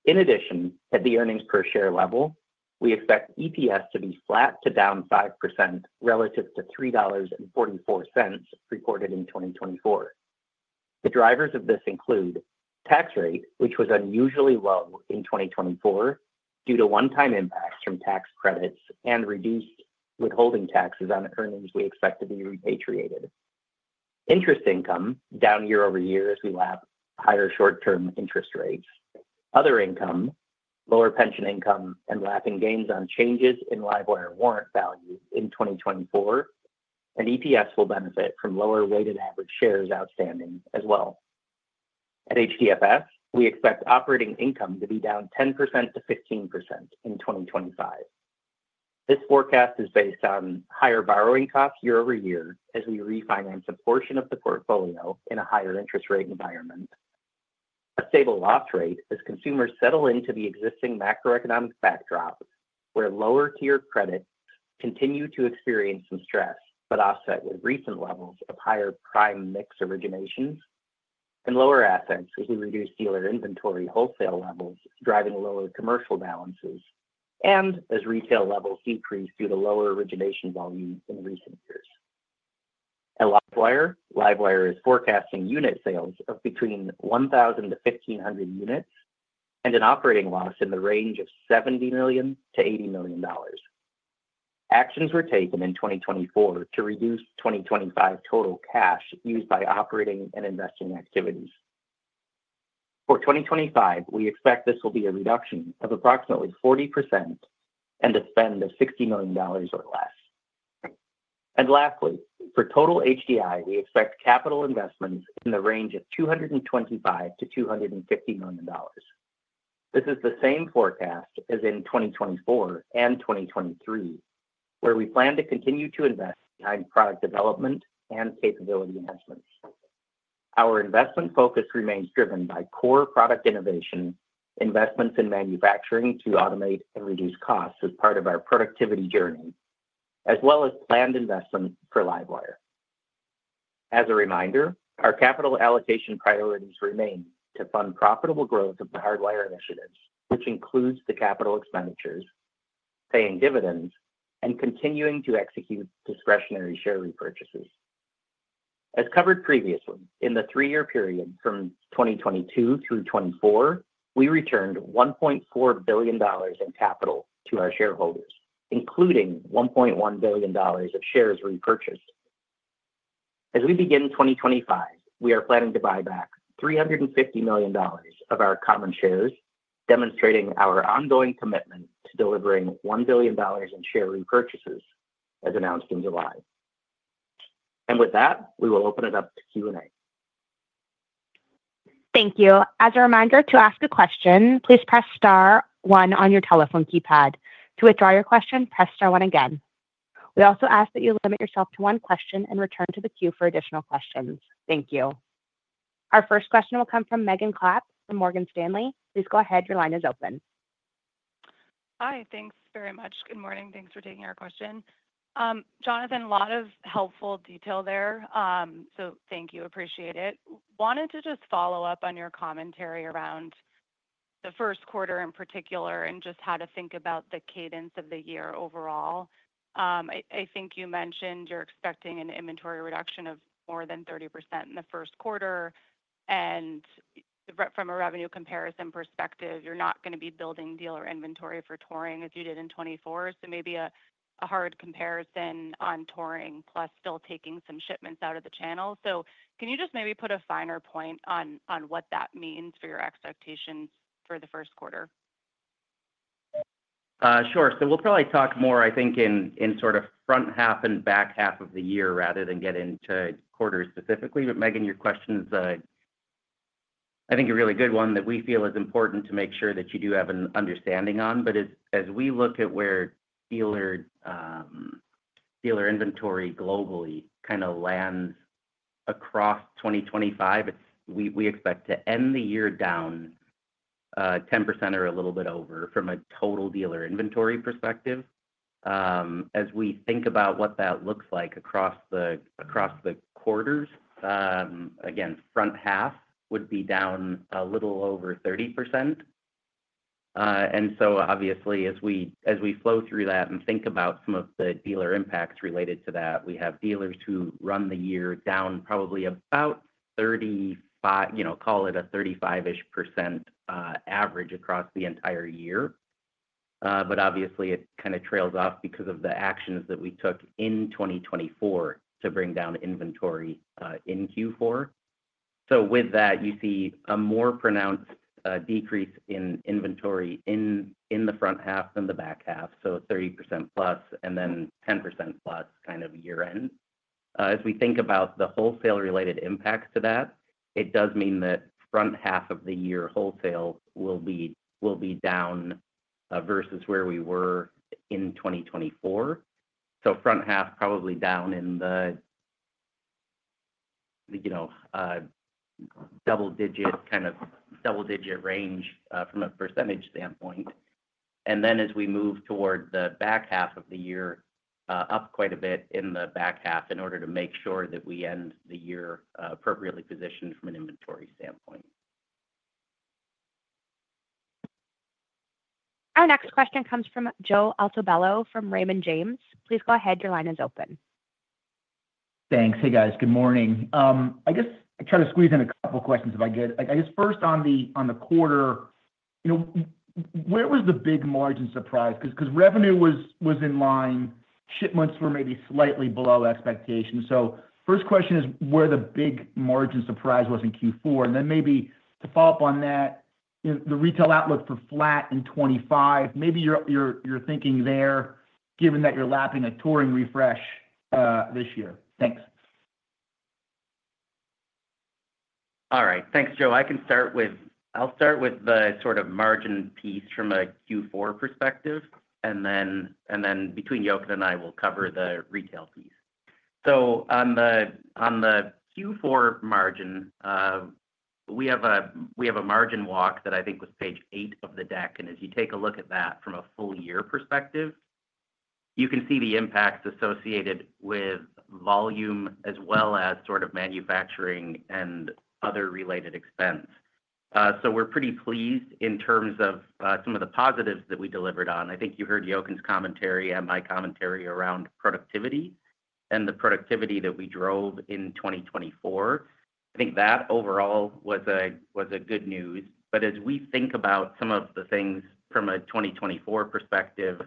In addition, at the earnings per share level, we expect EPS to be flat to down 5% relative to $3.44 reported in 2024. The drivers of this include tax rate, which was unusually low in 2024 due to one-time impacts from tax credits and reduced withholding taxes on earnings we expect to be repatriated. Interest income down year over year as we lap higher short-term interest rates. Other income, lower pension income and lapping gains on changes in LiveWire warrant value in 2024, and EPS will benefit from lower weighted average shares outstanding as well. At HDFS, we expect operating income to be down 10%-15% in 2025. This forecast is based on higher borrowing costs year over year as we refinance a portion of the portfolio in a higher interest rate environment. A stable loss rate as consumers settle into the existing macroeconomic backdrop where lower-tier credits continue to experience some stress but offset with recent levels of higher prime mix originations and lower assets as we reduce dealer inventory wholesale levels, driving lower commercial balances, and as retail levels decrease due to lower origination volume in recent years. At LiveWire, LiveWire is forecasting unit sales of between 1,000-1,500 units and an operating loss in the range of $70-80 million. Actions were taken in 2024 to reduce 2025 total cash used by operating and investing activities. For 2025, we expect this will be a reduction of approximately 40% and a spend of $60 million or less. And lastly, for total HDI, we expect capital investments in the range of $225-250 million. This is the same forecast as in 2024 and 2023, where we plan to continue to invest behind product development and capability management. Our investment focus remains driven by core product innovation, investments in manufacturing to automate and reduce costs as part of our productivity journey, as well as planned investment for LiveWire. As a reminder, our capital allocation priorities remain to fund profitable growth of the Hardwire initiatives, which includes the capital expenditures, paying dividends, and continuing to execute discretionary share repurchases. As covered previously, in the three-year period from 2022 through 2024, we returned $1.4 billion in capital to our shareholders, including $1.1 billion of shares repurchased. As we begin 2025, we are planning to buy back $350 million of our common shares, demonstrating our ongoing commitment to delivering $1 billion in share repurchases as announced in July, and with that, we will open it up to Q&A. Thank you. As a reminder, to ask a question, please press star one on your telephone keypad. To withdraw your question, press star one again. We also ask that you limit yourself to one question and return to the queue for additional questions. Thank you. Our first question will come from Megan Alexander from Morgan Stanley. Please go ahead. Your line is open. Hi. Thanks very much. Good morning. Thanks for taking our question. Jonathan, a lot of helpful detail there. So thank you. Appreciate it. Wanted to just follow up on your commentary around Q1 in particular and just how to think about the cadence of the year overall. I think you mentioned you're expecting an inventory reduction of more than 30% in Q1. And from a revenue comparison perspective, you're not going to be building dealer inventory for touring as you did in 2024. So maybe a hard comparison on touring plus still taking some shipments out of the channel. So can you just maybe put a finer point on what that means for your expectations for Q1? Sure. So we'll probably talk more, I think, in sort of front half and back half of the year rather than get into quarters specifically. But Megan, your questions, I think, are a really good one that we feel is important to make sure that you do have an understanding on. But as we look at where dealer inventory globally kind of lands across 2025, we expect to end the year down 10% or a little bit over from a total dealer inventory perspective. As we think about what that looks like across the quarters, again, front half would be down a little over 30%. And so obviously, as we flow through that and think about some of the dealer impacts related to that, we have dealers who run the year down probably about 35, call it a 35-ish% average across the entire year. But obviously, it kind of trails off because of the actions that we took in 2024 to bring down inventory in Q4. So with that, you see a more pronounced decrease in inventory in the front half than the back half. So 30% plus and then 10% plus kind of year-end. As we think about the wholesale-related impacts to that, it does mean that front half of the year wholesale will be down versus where we were in 2024. So front half probably down in the double-digit kind of double-digit range from a percentage standpoint. And then as we move toward the back half of the year, up quite a bit in the back half in order to make sure that we end the year appropriately positioned from an inventory standpoint. Our next question comes from Joe Altobello from Raymond James. Please go ahead. Your line is open. Thanks. Hey, guys. Good morning. I guess I try to squeeze in a couple of questions if I get it. I guess first on the quarter, where was the big margin surprise? Because revenue was in line, shipments were maybe slightly below expectations. So first question is where the big margin surprise was in Q4. And then maybe to follow up on that, the retail outlook for flat in 2025, maybe you're thinking there given that you're lapping a touring refresh this year. Thanks. All right. Thanks, Joe. I'll start with the sort of margin piece from a Q4 perspective. Then between Jochen and I will cover the retail piece. So on the Q4 margin, we have a margin walk that I think was page eight of the deck. And as you take a look at that from a full year perspective, you can see the impacts associated with volume as well as sort of manufacturing and other related expense. So we're pretty pleased in terms of some of the positives that we delivered on. I think you heard Jochen's commentary and my commentary around productivity and the productivity that we drove in 2024. I think that overall was good news. But as we think about some of the things from a 2024 perspective,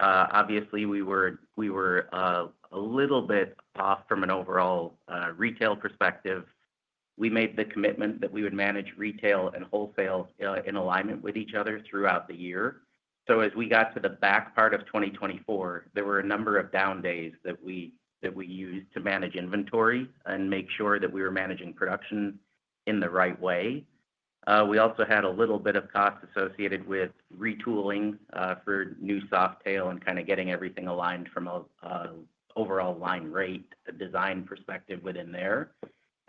obviously, we were a little bit off from an overall retail perspective. We made the commitment that we would manage retail and wholesale in alignment with each other throughout the year. So as we got to the back part of 2024, there were a number of down days that we used to manage inventory and make sure that we were managing production in the right way. We also had a little bit of cost associated with retooling for new Softail and kind of getting everything aligned from an overall line rate design perspective within there.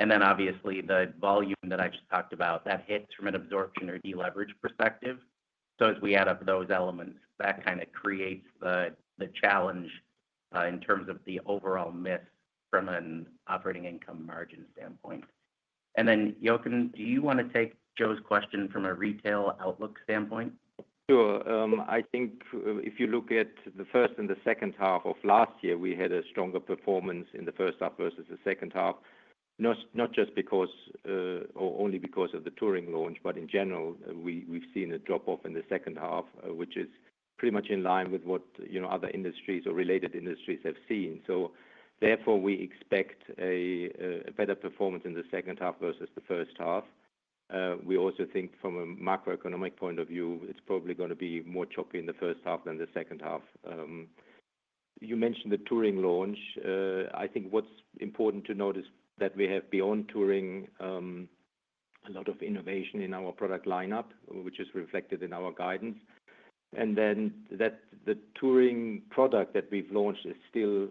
And then obviously, the volume that I just talked about, that hits from an absorption or deleverage perspective. So as we add up those elements, that kind of creates the challenge in terms of the overall miss from an operating income margin standpoint. And then, Jochen, do you want to take Joe's question from a retail outlook standpoint? Sure. I think if you look at the first and the second half of last year, we had a stronger performance in the first half versus the second half, not just because or only because of the touring launch, but in general, we've seen a drop-off in the second half, which is pretty much in line with what other industries or related industries have seen. So therefore, we expect a better performance in the second half versus the first half. We also think from a macroeconomic point of view, it's probably going to be more choppy in the first half than the second half. You mentioned the touring launch. I think what's important to note is that we have, beyond touring, a lot of innovation in our product lineup, which is reflected in our guidance, and then the touring product that we've launched is still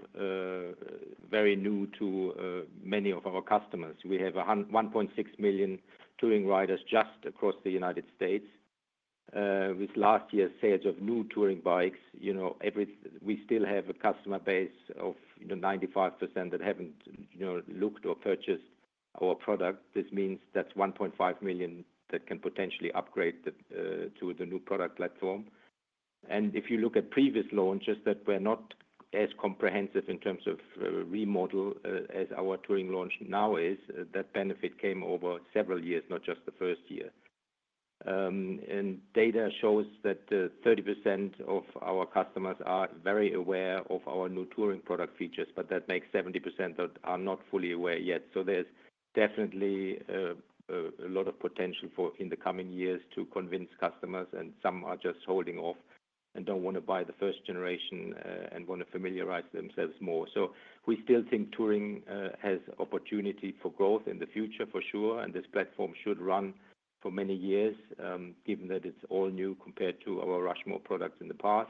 very new to many of our customers. We have 1.6 million touring riders just across the United States. With last year's sales of new touring bikes, we still have a customer base of 95% that haven't looked or purchased our product. This means that's 1.5 million that can potentially upgrade to the new product platform. And if you look at previous launches that were not as comprehensive in terms of remodel as our touring launch now is, that benefit came over several years, not just the first year. And data shows that 30% of our customers are very aware of our new touring product features, but that makes 70% that are not fully aware yet. So there's definitely a lot of potential in the coming years to convince customers, and some are just holding off and don't want to buy the first generation and want to familiarize themselves more. So we still think touring has opportunity for growth in the future, for sure. And this platform should run for many years, given that it's all new compared to our Rushmore products in the past.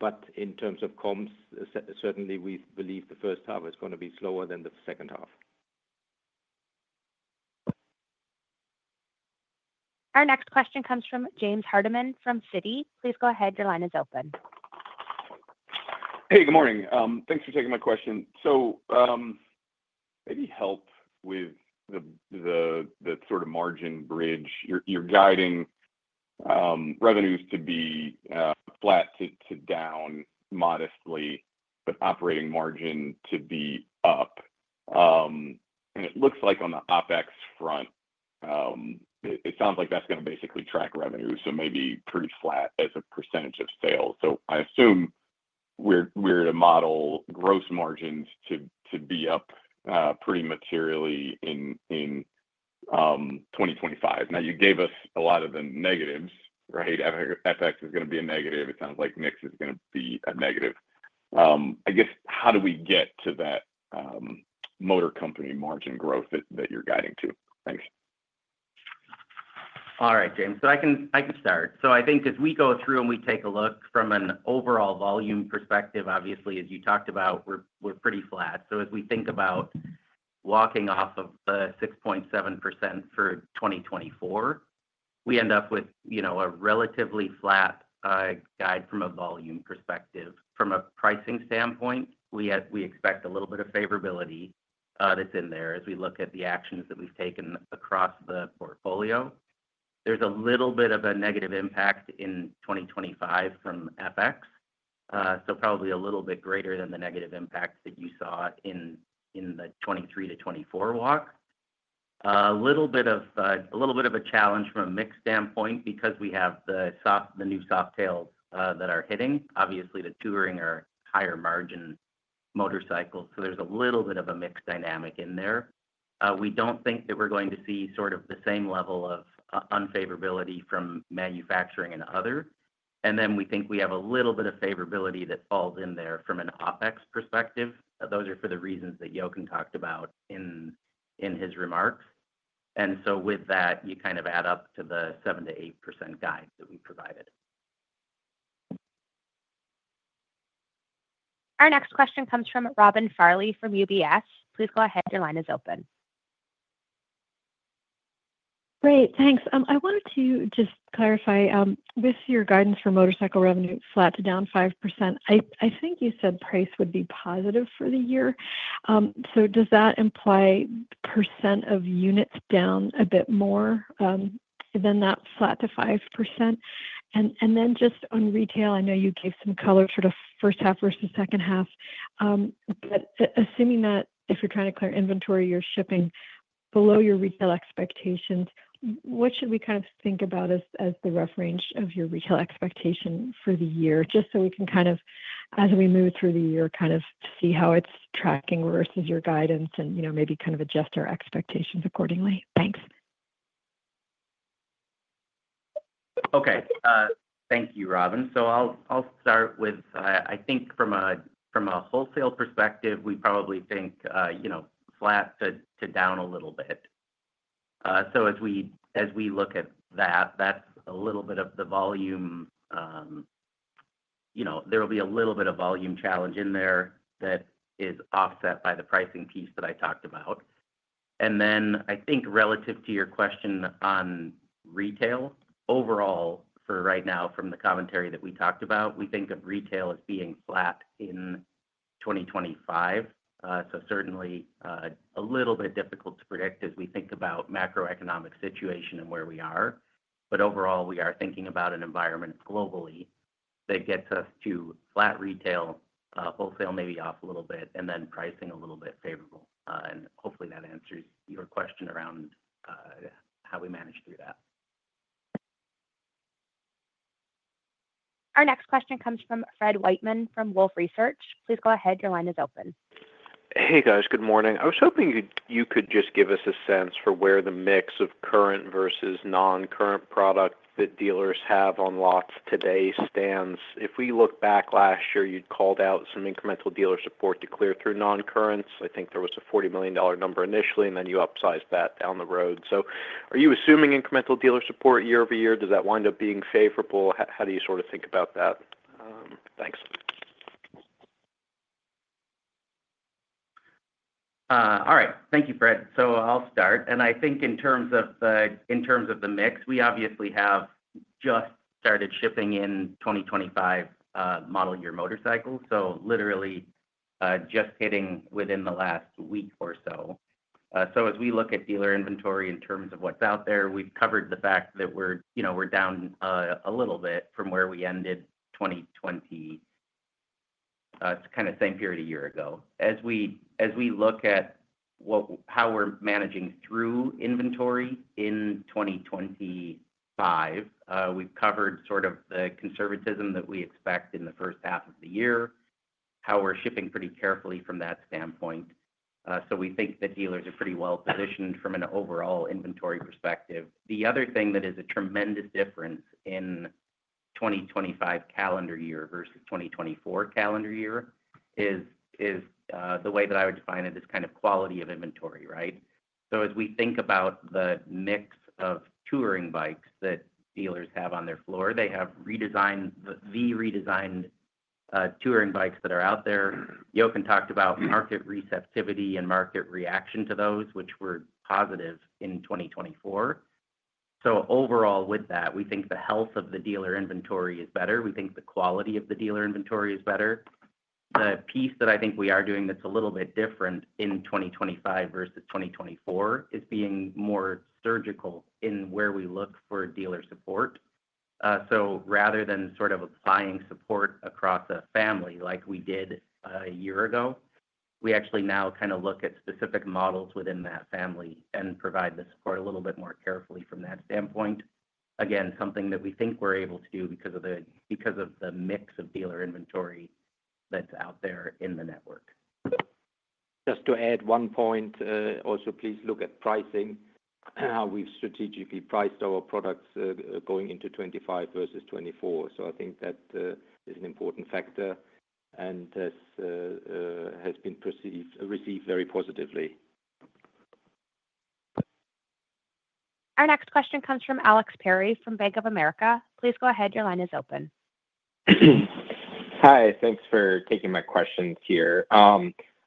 But in terms of comms, certainly, we believe the first half is going to be slower than the second half. Our next question comes from James Hardiman from Citi. Please go ahead. Your line is open. Hey, good morning. Thanks for taking my question. So maybe help with the sort of margin bridge. You're guiding revenues to be flat to down modestly, but operating margin to be up. And it looks like on the OPEX front, it sounds like that's going to basically track revenue, so maybe pretty flat as a percentage of sales. So I assume we're to model gross margins to be up pretty materially in 2025. Now, you gave us a lot of the negatives, right? FX is going to be a negative. It sounds like mix is going to be a negative. I guess how do we get to that motor company margin growth that you're guiding to? Thanks. All right, James. So I can start. So I think as we go through and we take a look from an overall volume perspective, obviously, as you talked about, we're pretty flat. So as we think about walking off of the 6.7% for 2024, we end up with a relatively flat guide from a volume perspective. From a pricing standpoint, we expect a little bit of favorability that's in there as we look at the actions that we've taken across the portfolio. There's a little bit of a negative impact in 2025 from FX, so probably a little bit greater than the negative impact that you saw in the 2023 to 2024 walk. A little bit of a challenge from a mix standpoint because we have the new Softails that are hitting. Obviously, the touring are higher margin motorcycles. So there's a little bit of a mixed dynamic in there. We don't think that we're going to see sort of the same level of unfavorability from manufacturing and others. And then we think we have a little bit of favorability that falls in there from an OPEX perspective. Those are for the reasons that Jochen talked about in his remarks. And so with that, you kind of add up to the 7%-8% guide that we provided. Our next question comes from Robin Farley from UBS. Please go ahead. Your line is open. Great. Thanks. I wanted to just clarify with your guidance for motorcycle revenue flat to down 5%. I think you said price would be positive for the year. So does that imply percent of units down a bit more than that flat to 5%? And then just on retail, I know you gave some color sort of first half versus second half. But assuming that if you're trying to clear inventory, you're shipping below your retail expectations, what should we kind of think about as the rough range of your retail expectation for the year? Just so we can kind of, as we move through the year, kind of see how it's tracking versus your guidance and maybe kind of adjust our expectations accordingly. Thanks. Okay. Thank you, Robin. So I'll start with, I think from a wholesale perspective, we probably think flat to down a little bit. So as we look at that, that's a little bit of the volume. There will be a little bit of volume challenge in there that is offset by the pricing piece that I talked about. And then I think relative to your question on retail, overall for right now from the commentary that we talked about, we think of retail as being flat in 2025. So certainly a little bit difficult to predict as we think about macroeconomic situation and where we are. But overall, we are thinking about an environment globally that gets us to flat retail, wholesale maybe off a little bit, and then pricing a little bit favorable. And hopefully, that answers your question around how we manage through that. Our next question comes from Fred Wightman from Wolfe Research. Please go ahead. Your line is open. Hey, guys. Good morning. I was hoping you could just give us a sense for where the mix of current versus non-current product that dealers have on lots today stands. If we look back last year, you'd called out some incremental dealer support to clear through non-currents. I think there was a $40 million number initially, and then you upsized that down the road. Are you assuming incremental dealer support year over year? Does that wind up being favorable? How do you sort of think about that? Thanks. All right. Thank you, Fred. I'll start. I think in terms of the mix, we obviously have just started shipping in 2025 model year motorcycles. Literally just hitting within the last week or so. As we look at dealer inventory in terms of what's out there, we've covered the fact that we're down a little bit from where we ended 2020, kind of same period a year ago. As we look at how we're managing through inventory in 2025, we've covered sort of the conservatism that we expect in the first half of the year, how we're shipping pretty carefully from that standpoint. So we think that dealers are pretty well positioned from an overall inventory perspective. The other thing that is a tremendous difference in 2025 calendar year versus 2024 calendar year is the way that I would define it as kind of quality of inventory, right? So as we think about the mix of touring bikes that dealers have on their floor, they have the redesigned touring bikes that are out there. Jochen talked about market receptivity and market reaction to those, which were positive in 2024. So overall with that, we think the health of the dealer inventory is better. We think the quality of the dealer inventory is better. The piece that I think we are doing that's a little bit different in 2025 versus 2024 is being more surgical in where we look for dealer support. So rather than sort of applying support across a family like we did a year ago, we actually now kind of look at specific models within that family and provide the support a little bit more carefully from that standpoint. Again, something that we think we're able to do because of the mix of dealer inventory that's out there in the network. Just to add one point, also please look at pricing. How we've strategically priced our products going into 2025 versus 2024. So I think that is an important factor and has been received very positively. Our next question comes from Alex Perry from Bank of America. Please go ahead. Your line is open. Hi. Thanks for taking my questions here.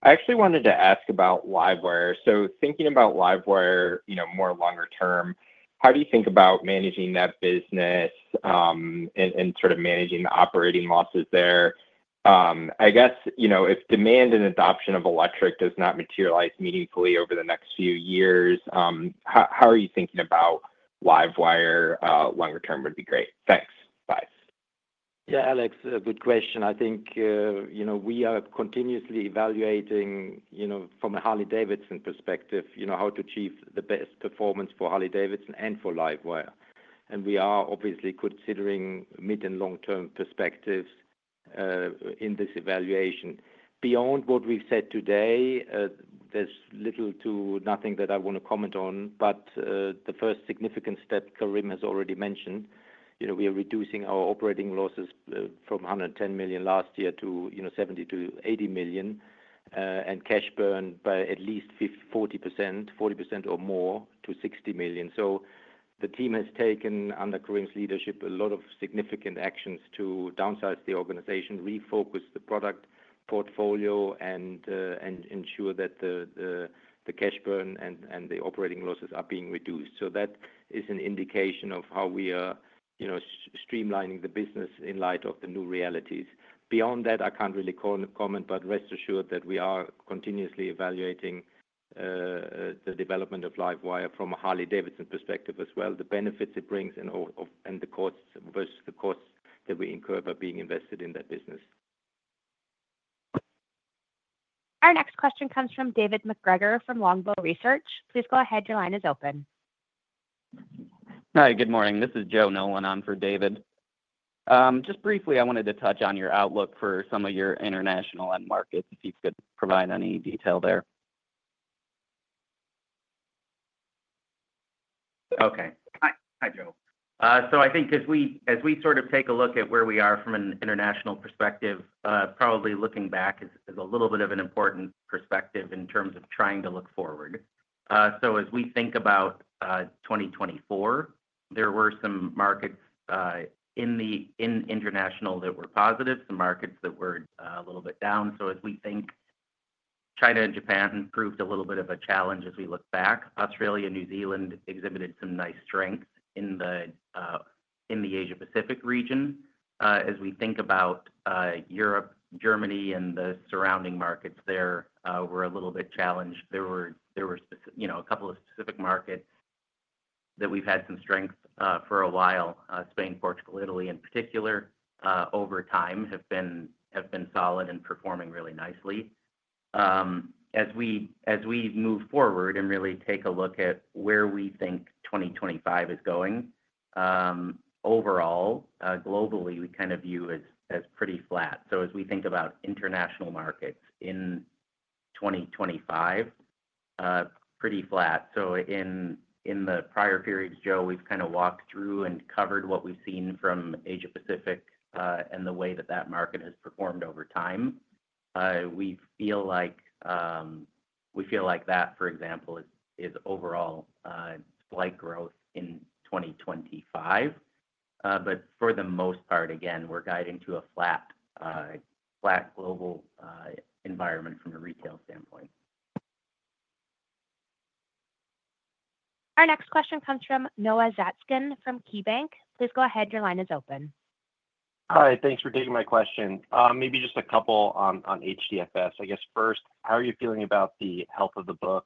I actually wanted to ask about LiveWire. So thinking about LiveWire more longer term, how do you think about managing that business and sort of managing the operating losses there? I guess if demand and adoption of electric does not materialize meaningfully over the next few years, how are you thinking about LiveWire longer term would be great. Thanks. Bye. Yeah, Alex, good question. I think we are continuously evaluating from a Harley-Davidson perspective how to achieve the best performance for Harley-Davidson and for LiveWire. And we are obviously considering mid and long-term perspectives in this evaluation. Beyond what we've said today, there's little to nothing that I want to comment on. But the first significant step Karim has already mentioned, we are reducing our operating losses from $110 million last year to $70-$80 million and cash burn by at least 40%, 40% or more to $60 million. So the team has taken under Karim's leadership a lot of significant actions to downsize the organization, refocus the product portfolio, and ensure that the cash burn and the operating losses are being reduced. So that is an indication of how we are streamlining the business in light of the new realities. Beyond that, I can't really comment, but rest assured that we are continuously evaluating the development of LiveWire from a Harley-Davidson perspective as well, the benefits it brings and the costs versus the costs that we incur by being invested in that business. Our next question comes from David MacGregor from Longbow Research. Please go ahead. Your line is open. Hi, good morning. This is Joe Nolan on for David. Just briefly, I wanted to touch on your outlook for some of your international end markets, if you could provide any detail there. Okay. Hi, Joe. So I think as we sort of take a look at where we are from an international perspective, probably looking back is a little bit of an important perspective in terms of trying to look forward. So as we think about 2024, there were some markets in international that were positive, some markets that were a little bit down. So as we think, China and Japan proved a little bit of a challenge as we look back. Australia, New Zealand exhibited some nice strength in the Asia-Pacific region. As we think about Europe, Germany, and the surrounding markets there, we're a little bit challenged. There were a couple of specific markets that we've had some strength for a while. Spain, Portugal, Italy, in particular, over time have been solid and performing really nicely. As we move forward and really take a look at where we think 2025 is going, overall, globally, we kind of view as pretty flat. So as we think about international markets in 2025, pretty flat. So in the prior periods, Joe, we've kind of walked through and covered what we've seen from Asia-Pacific and the way that that market has performed over time. We feel like that, for example, is overall slight growth in 2025. But for the most part, again, we're guiding to a flat global environment from a retail standpoint. Our next question comes from Noah Zatzkin from KeyBanc. Please go ahead. Your line is open. All right. Thanks for taking my question. Maybe just a couple on HDFS. I guess first, how are you feeling about the health of the book?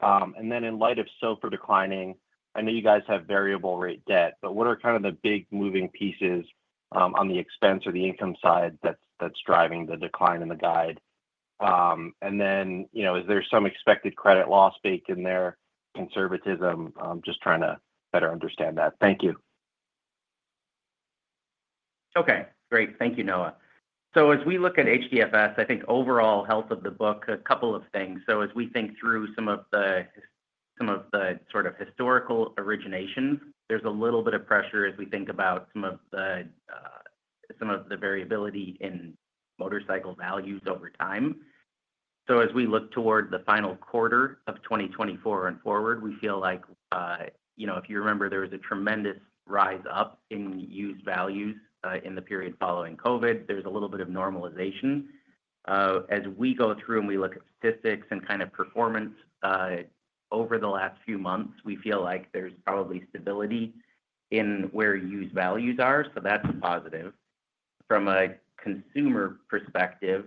And then, in light of SOFR declining, I know you guys have variable rate debt, but what are kind of the big moving pieces on the expense or the income side that's driving the decline in the guide? And then, is there some expected credit loss baked in there? Conservatism, just trying to better understand that. Thank you. Okay. Great. Thank you, Noah. So, as we look at HDFS, I think overall health of the book. A couple of things. So, as we think through some of the sort of historical originations, there's a little bit of pressure as we think about some of the variability in motorcycle values over time. So, as we look toward the final quarter of 2024 and forward, we feel like if you remember, there was a tremendous rise up in used values in the period following COVID. There's a little bit of normalization. As we go through and we look at statistics and kind of performance over the last few months, we feel like there's probably stability in where used values are. So that's a positive. From a consumer perspective,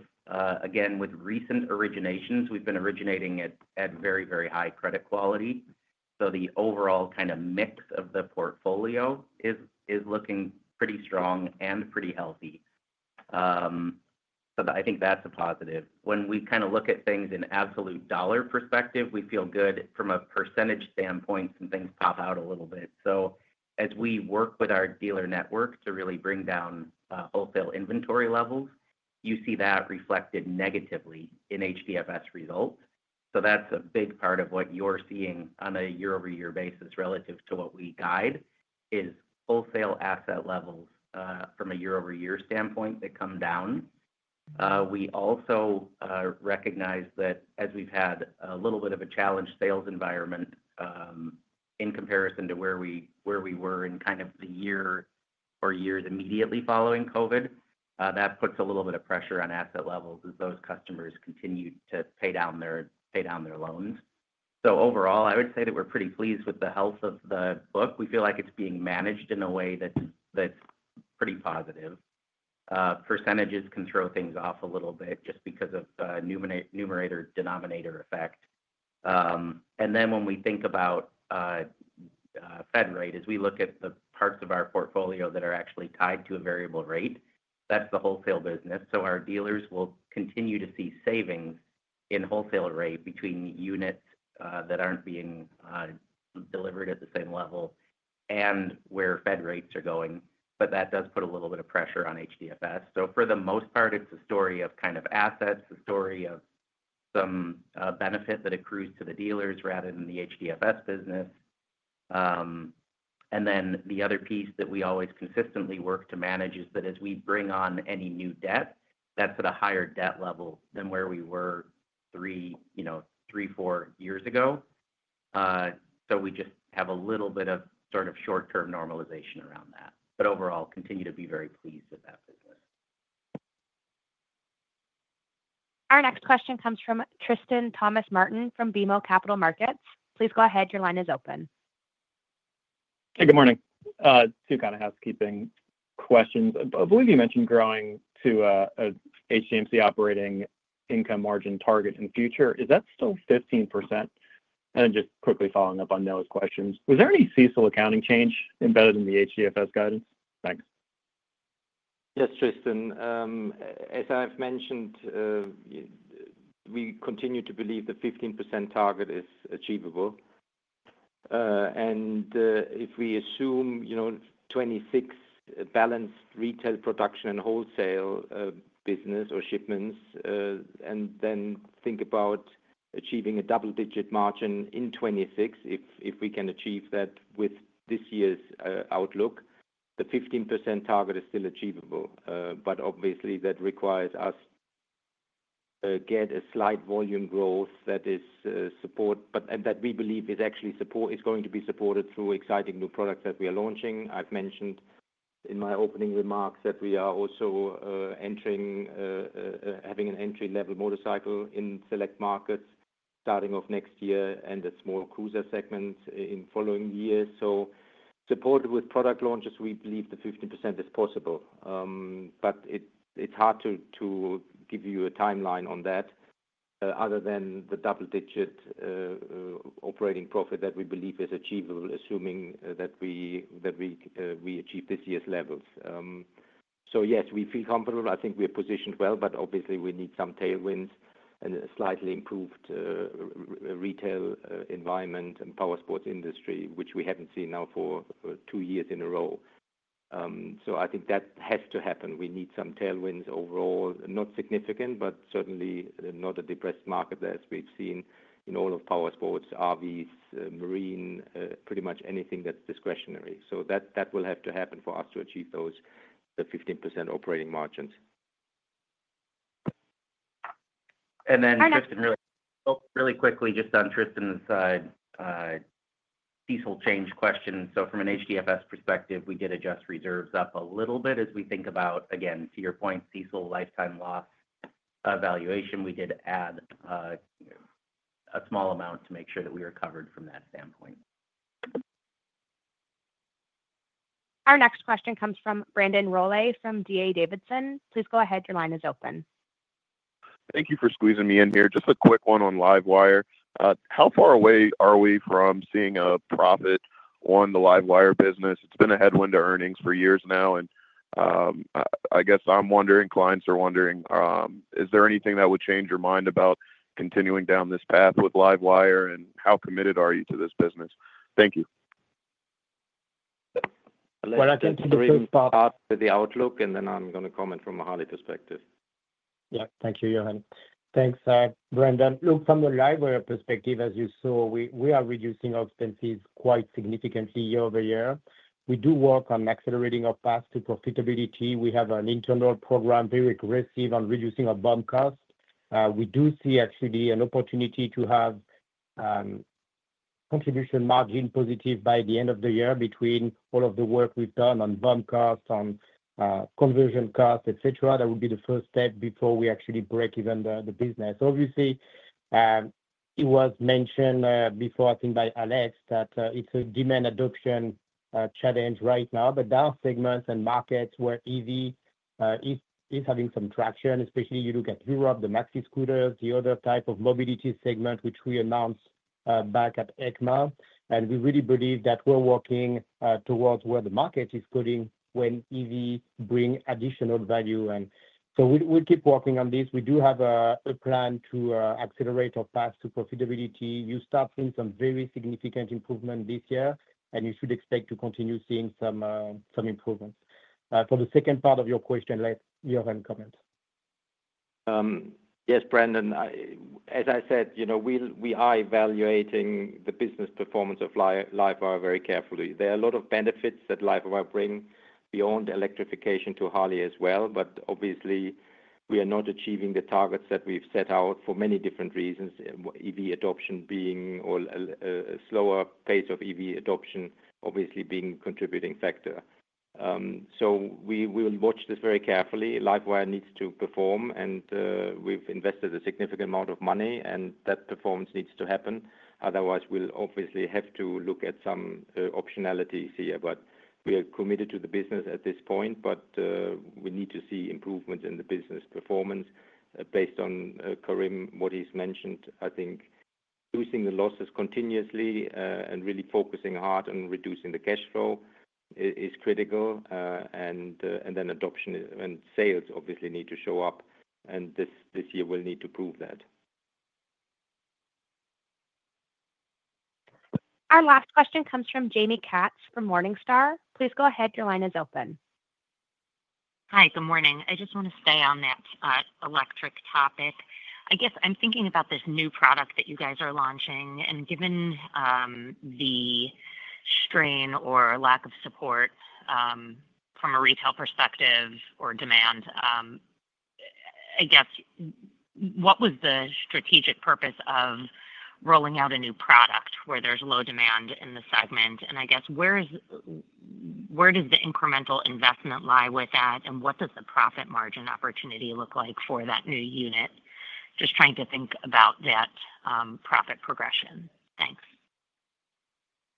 again, with recent originations, we've been originating at very, very high credit quality. So the overall kind of mix of the portfolio is looking pretty strong and pretty healthy. So I think that's a positive. When we kind of look at things in absolute dollar perspective, we feel good from a percentage standpoint, some things pop out a little bit. So as we work with our dealer network to really bring down wholesale inventory levels, you see that reflected negatively in HDFS results. So that's a big part of what you're seeing on a year-over-year basis relative to what we guide is wholesale asset levels from a year-over-year standpoint that come down. We also recognize that as we've had a little bit of a challenge sales environment in comparison to where we were in kind of the year or years immediately following COVID, that puts a little bit of pressure on asset levels as those customers continue to pay down their loans. So overall, I would say that we're pretty pleased with the health of the book. We feel like it's being managed in a way that's pretty positive. Percentages can throw things off a little bit just because of numerator-denominator effect. And then when we think about Fed rate, as we look at the parts of our portfolio that are actually tied to a variable rate, that's the wholesale business. So our dealers will continue to see savings in wholesale rate between units that aren't being delivered at the same level and where Fed rates are going. But that does put a little bit of pressure on HDFS. So for the most part, it's a story of kind of assets, a story of some benefit that accrues to the dealers rather than the HDFS business. And then the other piece that we always consistently work to manage is that as we bring on any new debt, that's at a higher debt level than where we were three, four years ago. So we just have a little bit of sort of short-term normalization around that. But overall, continue to be very pleased with that business. Our next question comes from Tristan Thomas Martin from BMO Capital Markets. Please go ahead. Your line is open. Hey, good morning. Two kind of housekeeping questions. I believe you mentioned growing to an HDMC operating income margin target in future. Is that still 15%? And just quickly following up on Noah's questions, was there any CECL accounting change embedded in the HDFS guidance? Thanks. Yes, Tristan. As I've mentioned, we continue to believe the 15% target is achievable. And if we assume 2026 balanced retail production and wholesale business or shipments, and then think about achieving a double-digit margin in 2026, if we can achieve that with this year's outlook, the 15% target is still achievable. But obviously, that requires us to get a slight volume growth that is support, but that we believe is actually going to be supported through exciting new products that we are launching. I've mentioned in my opening remarks that we are also having an entry-level motorcycle in select markets starting off next year and a small cruiser segment in the following year. So supported with product launches, we believe the 15% is possible. But it's hard to give you a timeline on that other than the double-digit operating profit that we believe is achievable, assuming that we achieve this year's levels. So yes, we feel comfortable. I think we're positioned well, but obviously, we need some tailwinds and a slightly improved retail environment and power sports industry, which we haven't seen now for two years in a row. So I think that has to happen. We need some tailwinds overall, not significant, but certainly not a depressed market as we've seen in all of power sports, RVs, marine, pretty much anything that's discretionary. So that will have to happen for us to achieve those 15% operating margins. And then just really quickly, just on Tristan's side, CECL change question. From an HDFS perspective, we did adjust reserves up a little bit as we think about, again, to your point, CECL lifetime loss evaluation. We did add a small amount to make sure that we were covered from that standpoint. Our next question comes from Brandon Rolle from DA Davidson. Please go ahead. Your line is open. Thank you for squeezing me in here. Just a quick one on LiveWire. How far away are we from seeing a profit on the LiveWire business? It's been a headwind to earnings for years now. And I guess I'm wondering, clients are wondering, is there anything that would change your mind about continuing down this path with LiveWire, and how committed are you to this business? Thank you. Well, I can take a quick path to the outlook, and then I'm going to comment from a Harley perspective. Yeah. Thank you, Jochen. Thanks, Brandon. Look, from the LiveWire perspective, as you saw, we are reducing our expenses quite significantly year over year. We do work on accelerating our path to profitability. We have an internal program very aggressive on reducing our bump cost. We do see actually an opportunity to have contribution margin positive by the end of the year between all of the work we've done on bump cost, on conversion cost, etc. That would be the first step before we actually break even the business. Obviously, it was mentioned before, I think, by Alex that it's a demand adoption challenge right now, but our segments and markets where EV is having some traction, especially you look at Europe, the maxi scooters, the other type of mobility segment, which we announced back at EICMA. And we really believe that we're working towards where the market is going when EV brings additional value. And so we'll keep working on this. We do have a plan to accelerate our path to profitability. You start seeing some very significant improvement this year, and you should expect to continue seeing some improvements. For the second part of your question, let Jochen comment. Yes, Brandon. As I said, we are evaluating the business performance of LiveWire very carefully. There are a lot of benefits that LiveWire brings beyond electrification to Harley as well. But obviously, we are not achieving the targets that we've set out for many different reasons, EV adoption being a slower pace of EV adoption, obviously being a contributing factor. So we will watch this very carefully. LiveWire needs to perform, and we've invested a significant amount of money, and that performance needs to happen. Otherwise, we'll obviously have to look at some optionalities here. But we are committed to the business at this point, but we need to see improvements in the business performance based on Karim, what he's mentioned. I think reducing the losses continuously and really focusing hard on reducing the cash flow is critical. And then adoption and sales obviously need to show up, and this year we'll need to prove that. Our last question comes from Jaime Katz from Morningstar. Please go ahead. Your line is open. Hi. Good morning. I just want to stay on that electric topic. I guess I'm thinking about this new product that you guys are launching. And given the strain or lack of support from a retail perspective or demand, I guess what was the strategic purpose of rolling out a new product where there's low demand in the segment? And I guess where does the incremental investment lie with that, and what does the profit margin opportunity look like for that new unit? Just trying to think about that profit progression. Thanks.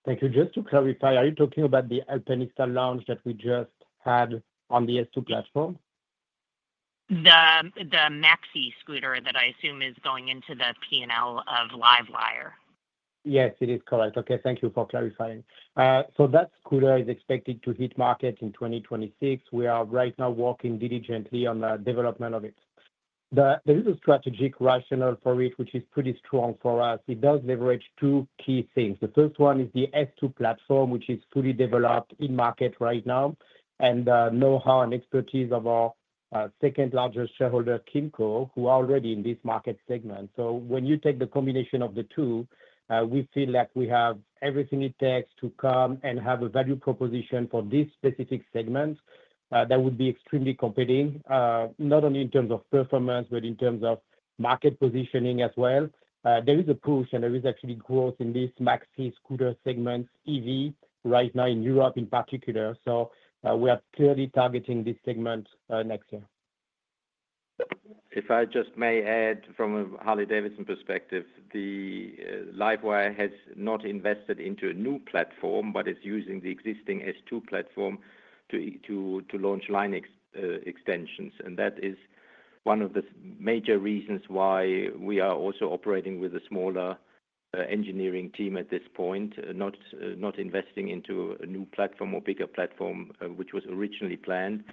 Thank you. Just to clarify, are you talking about the Alpinista launch that we just had on the S2 platform? The maxi scooter that I assume is going into the P&L of LiveWire. Yes, it is correct. Okay. Thank you for clarifying. So that scooter is expected to hit market in 2026. We are right now working diligently on the development of it. There is a strategic rationale for it, which is pretty strong for us. It does leverage two key things. The first one is the S2 platform, which is fully developed in market right now, and know-how and expertise of our second-largest shareholder, KYMCO, who are already in this market segment. So when you take the combination of the two, we feel that we have everything it takes to come and have a value proposition for this specific segment that would be extremely competitive, not only in terms of performance, but in terms of market positioning as well. There is a push, and there is actually growth in this maxi scooter segment EV right now in Europe in particular. So we are clearly targeting this segment next year. If I just may add from a Harley-Davidson perspective, LiveWire has not invested into a new platform, but is using the existing S2 platform to launch line extensions. And that is one of the major reasons why we are also operating with a smaller engineering team at this point, not investing into a new platform or bigger platform, which was originally planned,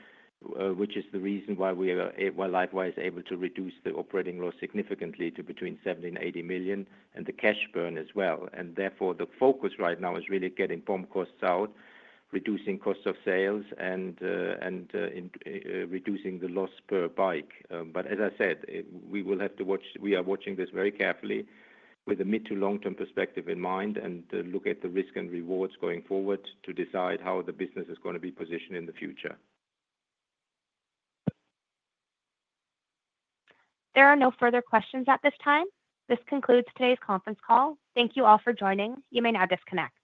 which is the reason why LiveWire is able to reduce the operating loss significantly to between $70 and 80 million and the cash burn as well. And therefore, the focus right now is really getting bump costs out, reducing costs of sales, and reducing the loss per bike. But as I said, we will have to watch. We are watching this very carefully with a mid- to long-term perspective in mind and look at the risk and rewards going forward to decide how the business is going to be positioned in the future. There are no further questions at this time. This concludes today's conference call. Thank you all for joining. You may now disconnect.